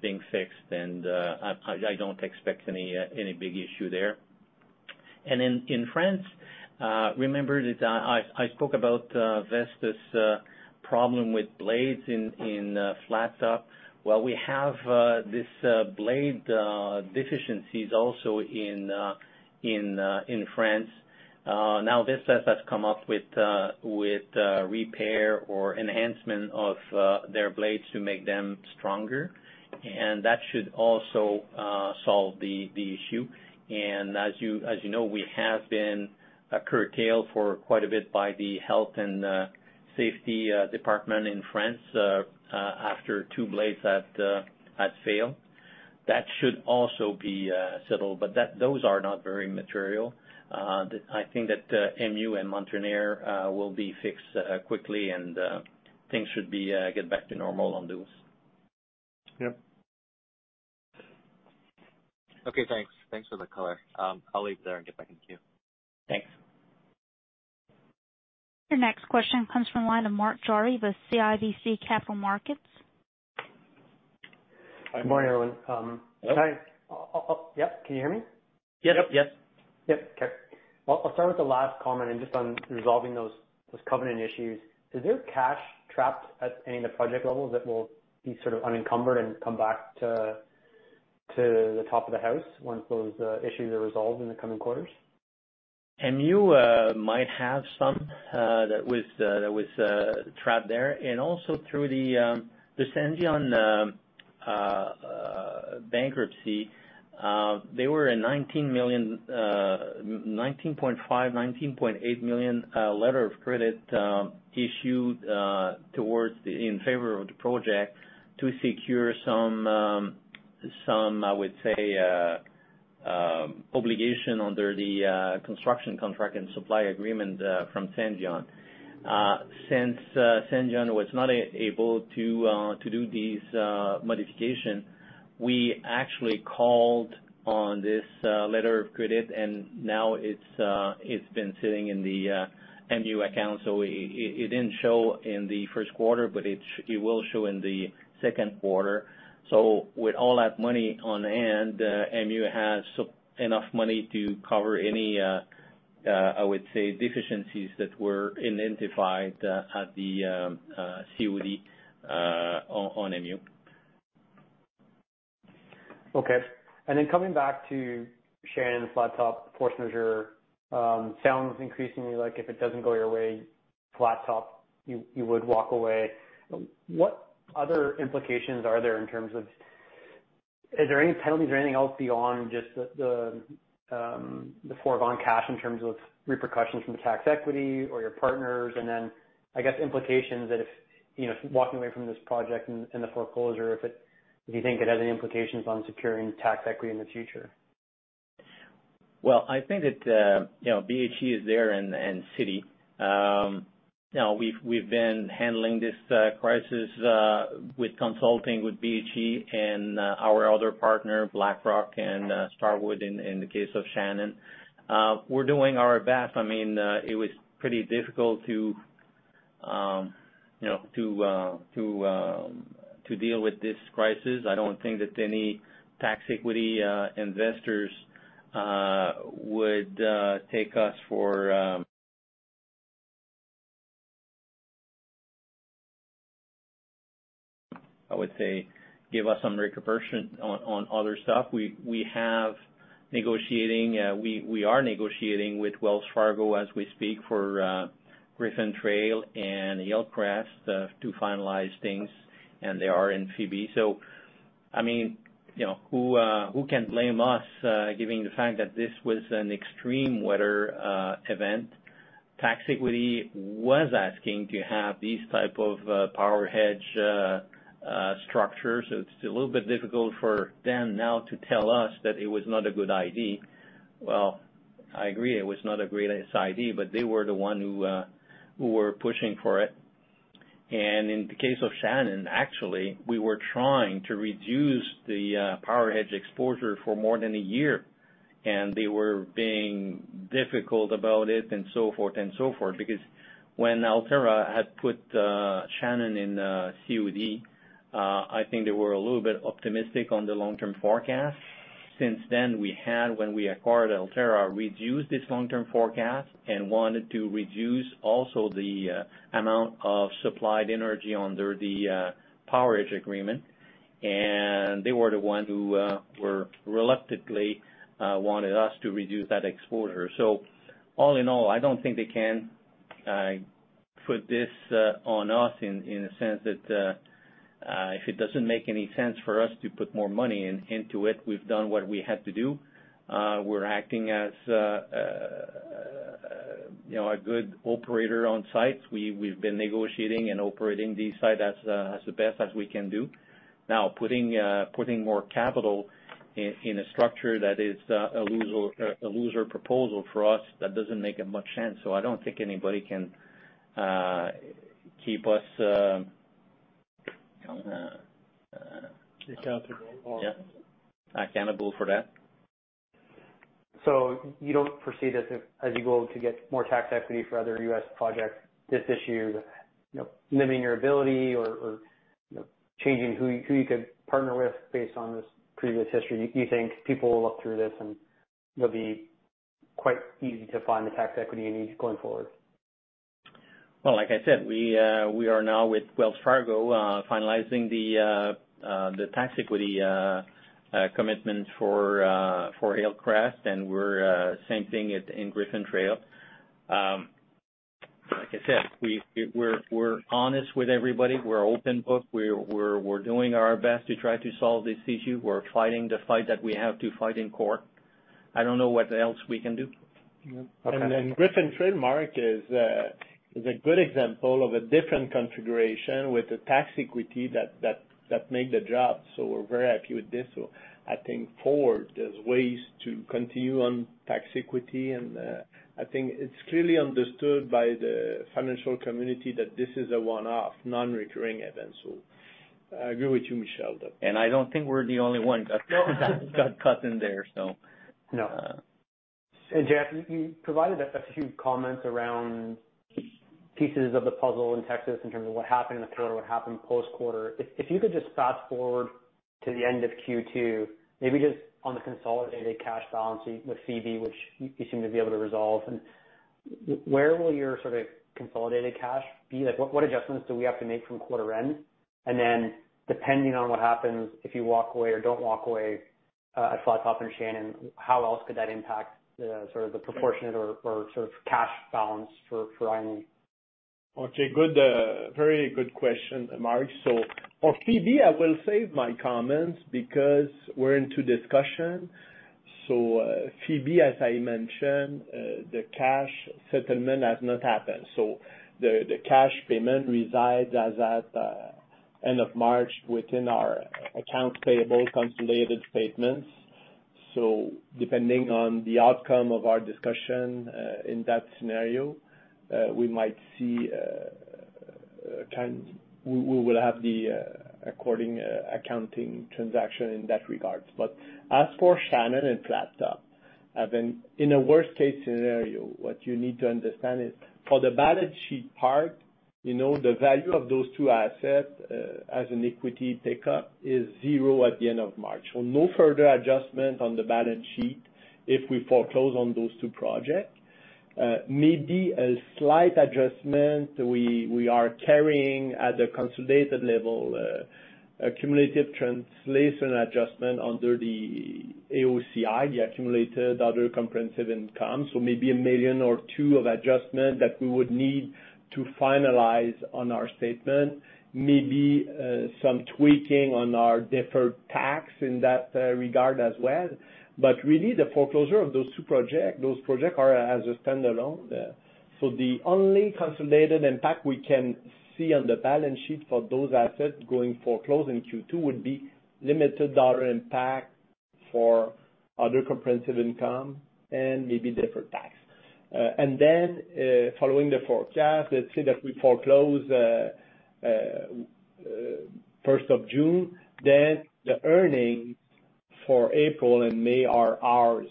being fixed, and I don't expect any big issue there. Then in France, remember that I spoke about Vestas' problem with blades in Flat Top. Well, we have these blade deficiencies also in France. Now Vestas has come up with repair or enhancement of their blades to make them stronger. That should also solve the issue. As you know, we have been curtailed for quite a bit by the health and safety department in France after two blades had failed. That should also be settled, those are not very material. I think that MU and Mountain Air will be fixed quickly and things should get back to normal on those. Yep. Okay, thanks. Thanks for the color. I'll leave it there and get back in queue. Thanks. Your next question comes from the line of Mark Jarvi with CIBC Capital Markets. Good morning, everyone. Hello. Yep, can you hear me? Yep. Yep. Yep, okay. Well, I'll start with the last comment and just on resolving those covenant issues. Is there cash trapped at any of the project levels that will be sort of unencumbered and come back to the top of the house once those issues are resolved in the coming quarters? MU might have some that was trapped there. Also through the Senvion bankruptcy, there were a 19.5 million, 19.8 million letter of credit issued in favor of the project to secure some, I would say, obligation under the construction contract and supply agreement from Senvion. Since Senvion was not able to do these modifications, we actually called on this letter of credit, and now it's been sitting in the MU account, so it didn't show in the first quarter, but it will show in the second quarter. With all that money on hand, MU has enough money to cover any, I would say, deficiencies that were identified at the COD on MU. Okay. Coming back to Shannon and Flat Top. Sounds increasingly like if it doesn't go your way-Flattop, you would walk away. Is there any penalties or anything else beyond just the foregone cash in terms of repercussions from the tax equity or your partners? I guess implications that if walking away from this project and the foreclosure, if you think it has any implications on securing tax equity in the future. Well, I think that BHE is there and Citi. We've been handling this crisis with consulting with BHE and our other partner, BlackRock and Starwood, in the case of Shannon. We're doing our best. It was pretty difficult to deal with this crisis. I don't think that any tax equity investors would take us for, I would say, give us some repercussion on other stuff. We are negotiating with Wells Fargo as we speak, for Griffin Trail and Hillcrest to finalize things. They are in Phoebe. Who can blame us, given the fact that this was an extreme weather event? Tax equity was asking to have these type of power hedge structures. It's a little bit difficult for them now to tell us that it was not a good idea. Well, I agree it was not a great idea, but they were the one who were pushing for it. In the case of Shannon, actually, we were trying to reduce the power hedge exposure for more than a year, and they were being difficult about it and so forth and so forth. When Alterra had put Shannon in COD, I think they were a little bit optimistic on the long-term forecast. Since then, we had, when we acquired Alterra, reduced this long-term forecast and wanted to reduce also the amount of supplied energy under the power hedge agreement. They were the ones who reluctantly wanted us to reduce that exposure. All in all, I don't think they can put this on us in a sense that if it doesn't make any sense for us to put more money into it, we've done what we had to do. We're acting as a good operator on sites. We've been negotiating and operating these sites as the best as we can do. Putting more capital in a structure that is a loser proposal for us, that doesn't make much sense. I don't think anybody can keep us. Accountable. Yeah. Accountable for that. You don't foresee this as you go to get more tax equity for other U.S. projects this issue limiting your ability or changing who you could partner with based on this previous history? Do you think people will look through this and it'll be quite easy to find the tax equity you need going forward? Like I said, we are now with Wells Fargo, finalizing the tax equity commitment for Hillcrest, and same thing in Griffin Trail. Like I said, we're honest with everybody. We're open book. We're doing our best to try to solve this issue. We're fighting the fight that we have to fight in court. I don't know what else we can do. Griffin Trail, Mark, is a good example of a different configuration with the tax equity that made the job. We're very happy with this. I think forward, there's ways to continue on tax equity, and I think it's clearly understood by the financial community that this is a one-off, non-recurring event. I agree with you, Michel. I don't think we're the only ones. No. Got caught in there, so. No. Jean-François, you provided a few comments around pieces of the puzzle in Texas in terms of what happened in the quarter, what happened post-quarter. If you could just fast-forward to the end of Q2, maybe just on the consolidated cash balance with Phoebe, which you seem to be able to resolve. Where will your sort of consolidated cash be? What adjustments do we have to make from quarter end? Then depending on what happens, if you walk away or don't walk away at Flat Top and Shannon, how else could that impact the proportionate or sort of cash balance for Innergex? Very good question, Mark. For Phoebe, I will save my comments because we're into discussion. Phoebe, as I mentioned, the cash settlement has not happened. The cash payment resides as at end of March within our accounts payable consolidated statements. Depending on the outcome of our discussion, in that scenario, we will have the according accounting transaction in that regards. As for Shannon and Flat Top, in a worst-case scenario, what you need to understand is for the balance sheet part, the value of those two assets, as an equity taker, is zero at the end of March. No further adjustment on the balance sheet if we foreclose on those two projects. Maybe a slight adjustment. We are carrying at a consolidated level, a cumulative translation adjustment under the AOCI, the accumulated other comprehensive income. Maybe 1 million or two of adjustment that we would need to finalize on our statement. Maybe some tweaking on our deferred tax in that regard as well. Really, the foreclosure of those two projects, those projects are as a standalone. The only consolidated impact we can see on the balance sheet for those assets going foreclosed in Q2 would be limited dollar impact for other comprehensive income and maybe deferred tax. Following the forecast, let's say that we foreclose 1st of June, the earnings for April and May are ours.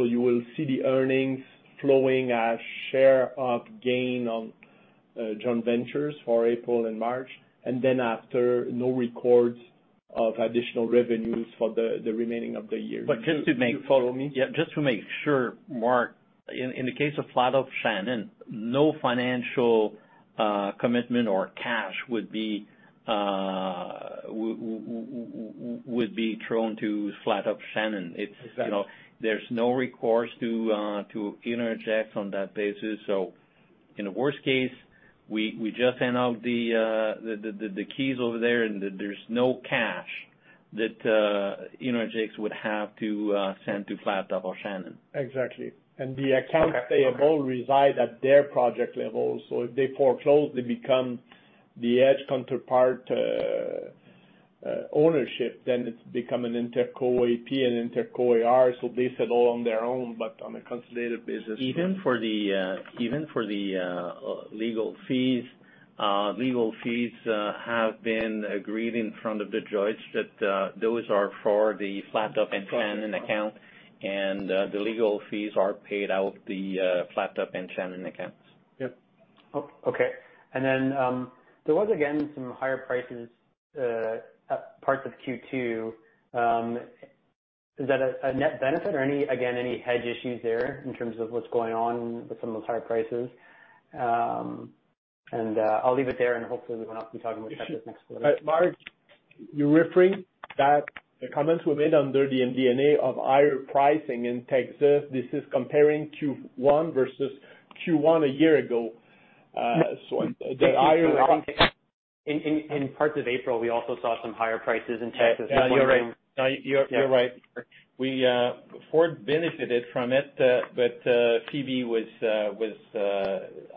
You will see the earnings flowing as share of gain on joint ventures for April and March, no records of additional revenues for the remaining of the year. But just to make- You follow me? Just to make sure, Mark, in the case of Flat Top-Shannon, no financial commitment or cash would be thrown to Flat Top-Shannon. Exactly. There's no recourse to Innergex on that basis. In the worst case, we just hand out the keys over there, and there's no cash that Innergex would have to send to Flat Top or Shannon. Exactly. The accounts payable reside at their project level. If they foreclose, they become the edge counterpart ownership, then it's become an interco AP and interco AR. They settle on their own, but on a consolidated basis. Even for the legal fees, legal fees have been agreed in front of the judge that those are for the Flat Top and Shannon account, and the legal fees are paid out the Flat Top and Shannon accounts. Yeah. Oh, okay. There was, again, some higher prices at parts of Q2. Is that a net benefit or again, any hedge issues there in terms of what's going on with some of those higher prices? I'll leave it there, and hopefully we won't have to be talking about that this next quarter. Mark, you're referring that the comments were made under the MD&A of higher pricing in Texas. This is comparing Q1 versus Q1 a year ago. Thank you. In parts of April, we also saw some higher prices in Texas. Yeah, you're right. Foard benefited from it, CV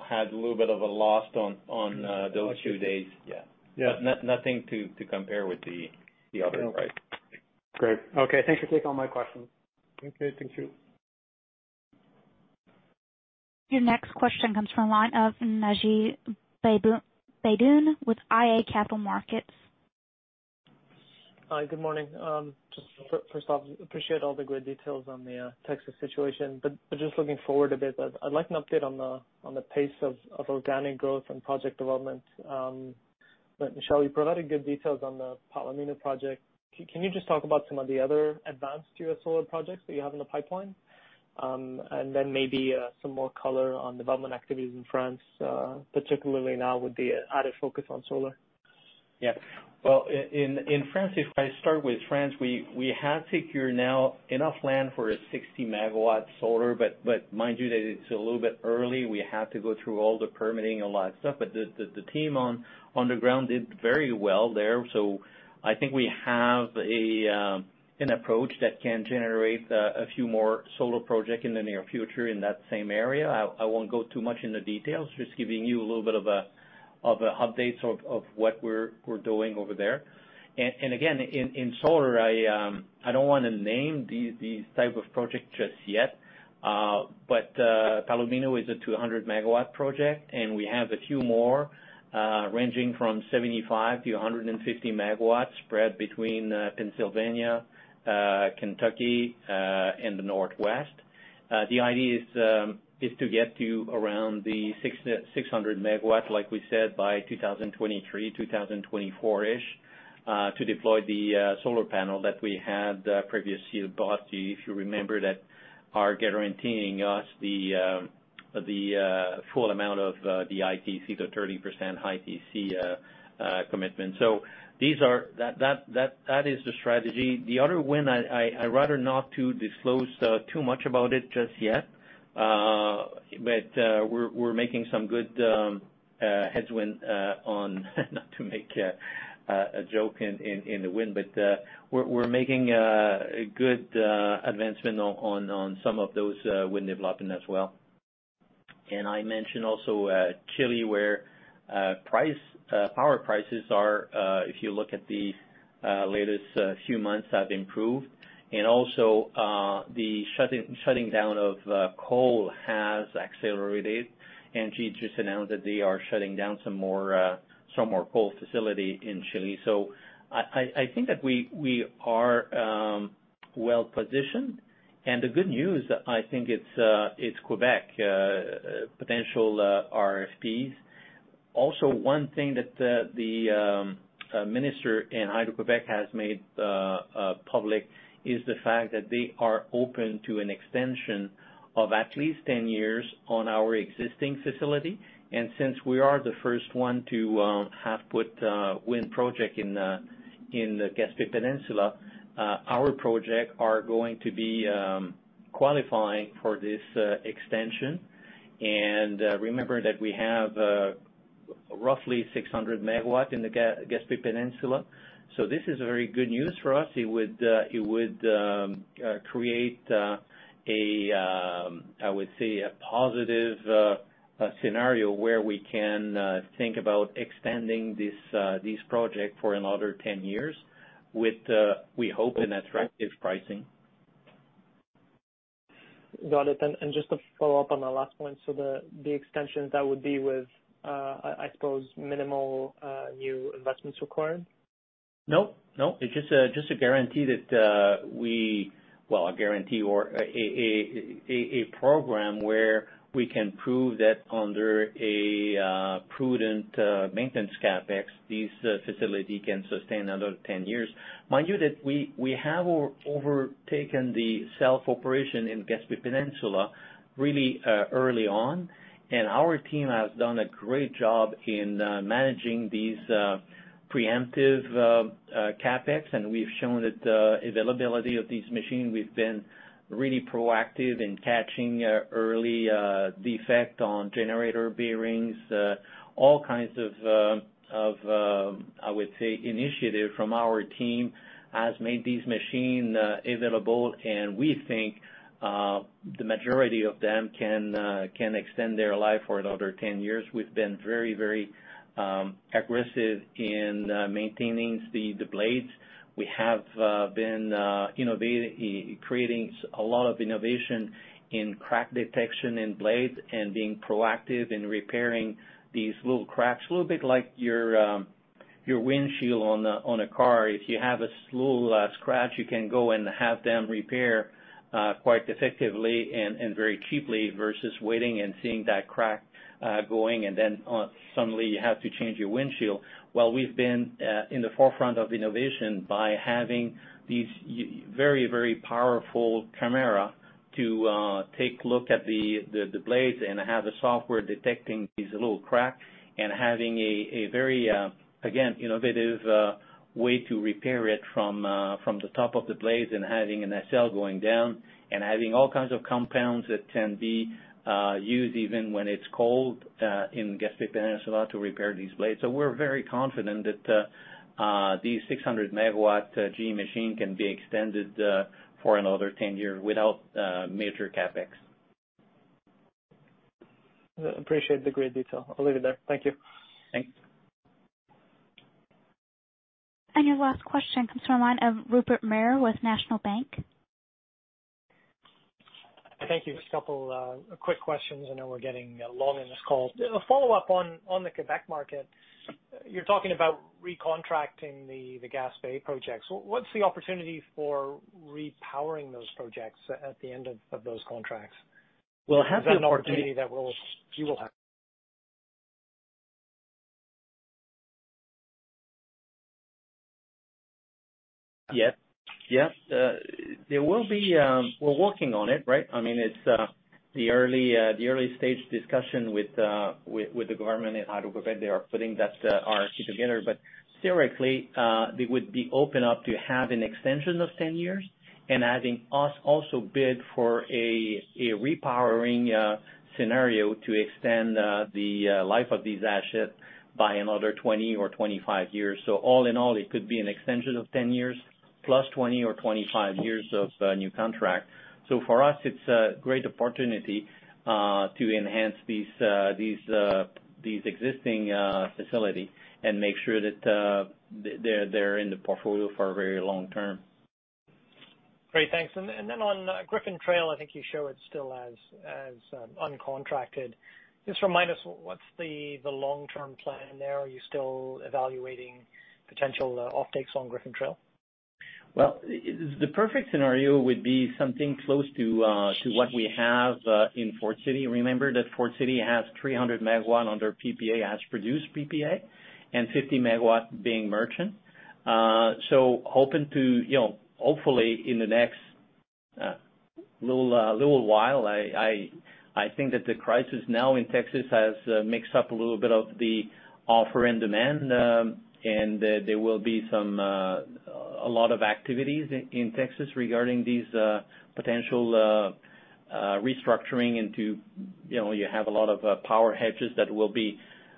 had a little bit of a loss on those two days. Yeah. Yeah. Nothing to compare with the other price. Great. Okay. Thanks for taking all my questions. Okay. Thank you. Your next question comes from the line of Naji Baydoun with iA Capital Markets. Hi, good morning. Just first off, appreciate all the great details on the Texas situation. Just looking forward a bit, I'd like an update on the pace of organic growth and project development. Michel, you provided good details on the Palomino project. Can you just talk about some of the other advanced U.S. solar projects that you have in the pipeline? Then maybe some more color on development activities in France, particularly now with the added focus on solar. If I start with France, we have secured now enough land for a 60-MW solar. Mind you that it's a little bit early. We have to go through all the permitting, a lot of stuff. The team on the ground did very well there. I think we have an approach that can generate a few more solar projects in the near future in that same area. I won't go too much in the details, just giving you a little bit of an update of what we're doing over there. Again, in solar, I don't want to name these type of projects just yet. Palomino is a 200-MW project, and we have a few more, ranging from 75 to 150 MW spread between Pennsylvania, Kentucky, and the Northwest. The idea is to get to around the 600 MW, like we said, by 2023, 2024, to deploy the solar panel that we had previously bought, if you remember, that are guaranteeing us the full amount of the ITC, the 30% ITC commitment. That is the strategy. The other win, I rather not to disclose too much about it just yet. We're making some good headway on, not to make a joke in the wind, but we're making a good advancement on some of those wind development as well. I mentioned also Chile, where power prices are, if you look at the latest few months, have improved. Also, the shutting down of coal has accelerated. [inaudible] just announced that they are shutting down some more coal facility in Chile. I think that we are well-positioned. The good news, I think it is Quebec, potential RFPs. One thing that the minister in Hydro-Québec has made public is the fact that they are open to an extension of at least 10 years on our existing facility. Since we are the first one to have put a wind project in the Gaspé Peninsula, our projects are going to be qualifying for this extension. Remember that we have roughly 600 MW in the Gaspé Peninsula. This is very good news for us. It would create, I would say, a positive scenario where we can think about extending this project for another 10 years with, we hope, an attractive pricing. Got it. Just to follow up on the last point, so the extension, that would be with, I suppose, minimal new investments required? No. It's just a guarantee Well, a guarantee, or a program where we can prove that under a prudent maintenance CapEx, this facility can sustain another 10 years. Mind you, that we have overtaken the self-operation in Gaspé Peninsula really early on, and our team has done a great job in managing these preemptive CapEx, and we've shown that availability of these machines. We've been really proactive in catching early defect on generator bearings. All kinds of, I would say, initiatives from our team has made these machines available, and we think the majority of them can extend their life for another 10 years. We've been very aggressive in maintaining the blades. We have been creating a lot of innovation in crack detection in blades and being proactive in repairing these little cracks. A little bit like your windshield on a car. If you have a small scratch, you can go and have them repair quite effectively and very cheaply versus waiting and seeing that crack going, then suddenly you have to change your windshield. Well, we've been in the forefront of innovation by having these very powerful camera to take a look at the blades and have the software detecting these little cracks and having a very, again, innovative way to repair it from the top of the blades and having an [inaudible] going down. Having all kinds of compounds that can be used even when it's cold in Gaspé Peninsula to repair these blades. We're very confident that these 600-MW GE machine can be extended for another 10 years without major CapEx. Appreciate the great detail. I'll leave it there. Thank you. Thanks. Your last question comes from the line of Rupert Merer with National Bank. Thank you. Just a couple quick questions. I know we're getting long in this call. A follow-up on the Québec market. You're talking about recontracting the Gaspé projects. What's the opportunity for repowering those projects at the end of those contracts? We'll have the [crosstalk] You will have? Yes. We're working on it. It's the early stage discussion with the government in Hydro-Québec. They are putting that RFP together. Theoretically, they would be open up to have an extension of 10 years and having us also bid for a repowering scenario to extend the life of these assets by another 20 or 25 years. All in all, it could be an extension of 10 years plus 20 or 25 years of new contract. For us, it's a great opportunity to enhance these existing facilities and make sure that they're in the portfolio for a very long term. Great. Thanks. Then on Griffin Trail, I think you show it still as uncontracted. Just remind us, what's the long-term plan there? Are you still evaluating potential offtakes on Griffin Trail? Well, the perfect scenario would be something close to what we have in Port City. Remember that Port City has 300 MW under PPA, as produced PPA, and 50 MW being merchant. Hopefully, in the next little while. I think that the crisis now in Texas has mixed up a little bit of the offer and demand. There will be a lot of activities in Texas regarding these potential restructuring into, you have a lot of power hedges that will be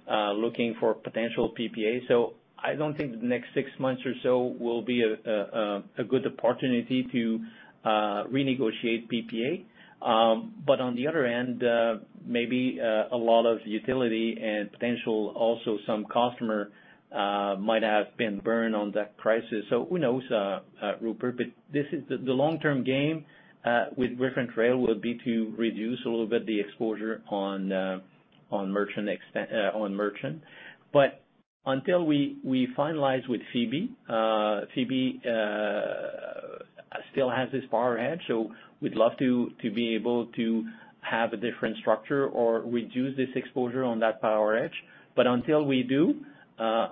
looking for potential PPAs. I don't think the next six months or so will be a good opportunity to renegotiate PPA. On the other end, maybe a lot of utility and potential also some customer might have been burned on that crisis. Who knows, Rupert? The long-term game with Griffin Trail would be to reduce a little bit the exposure on merchant. Until we finalize with Phoebe still has this power hedge. We'd love to be able to have a different structure or reduce this exposure on that power hedge. Until we do,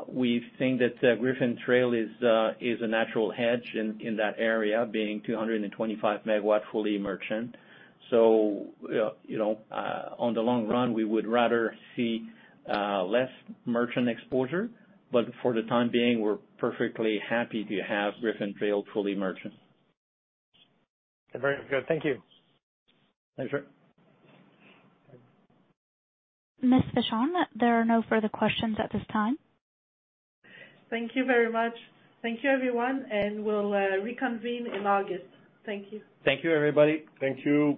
we think that Griffin Trail is a natural hedge in that area, being 225 MW fully merchant. On the long run, we would rather see less merchant exposure. For the time being, we're perfectly happy to have Griffin Trail fully merchant. Very good. Thank you. Thanks. Ms. Vachon, there are no further questions at this time. Thank you very much. Thank you, everyone, and we'll reconvene in August. Thank you. Thank you, everybody. Thank you.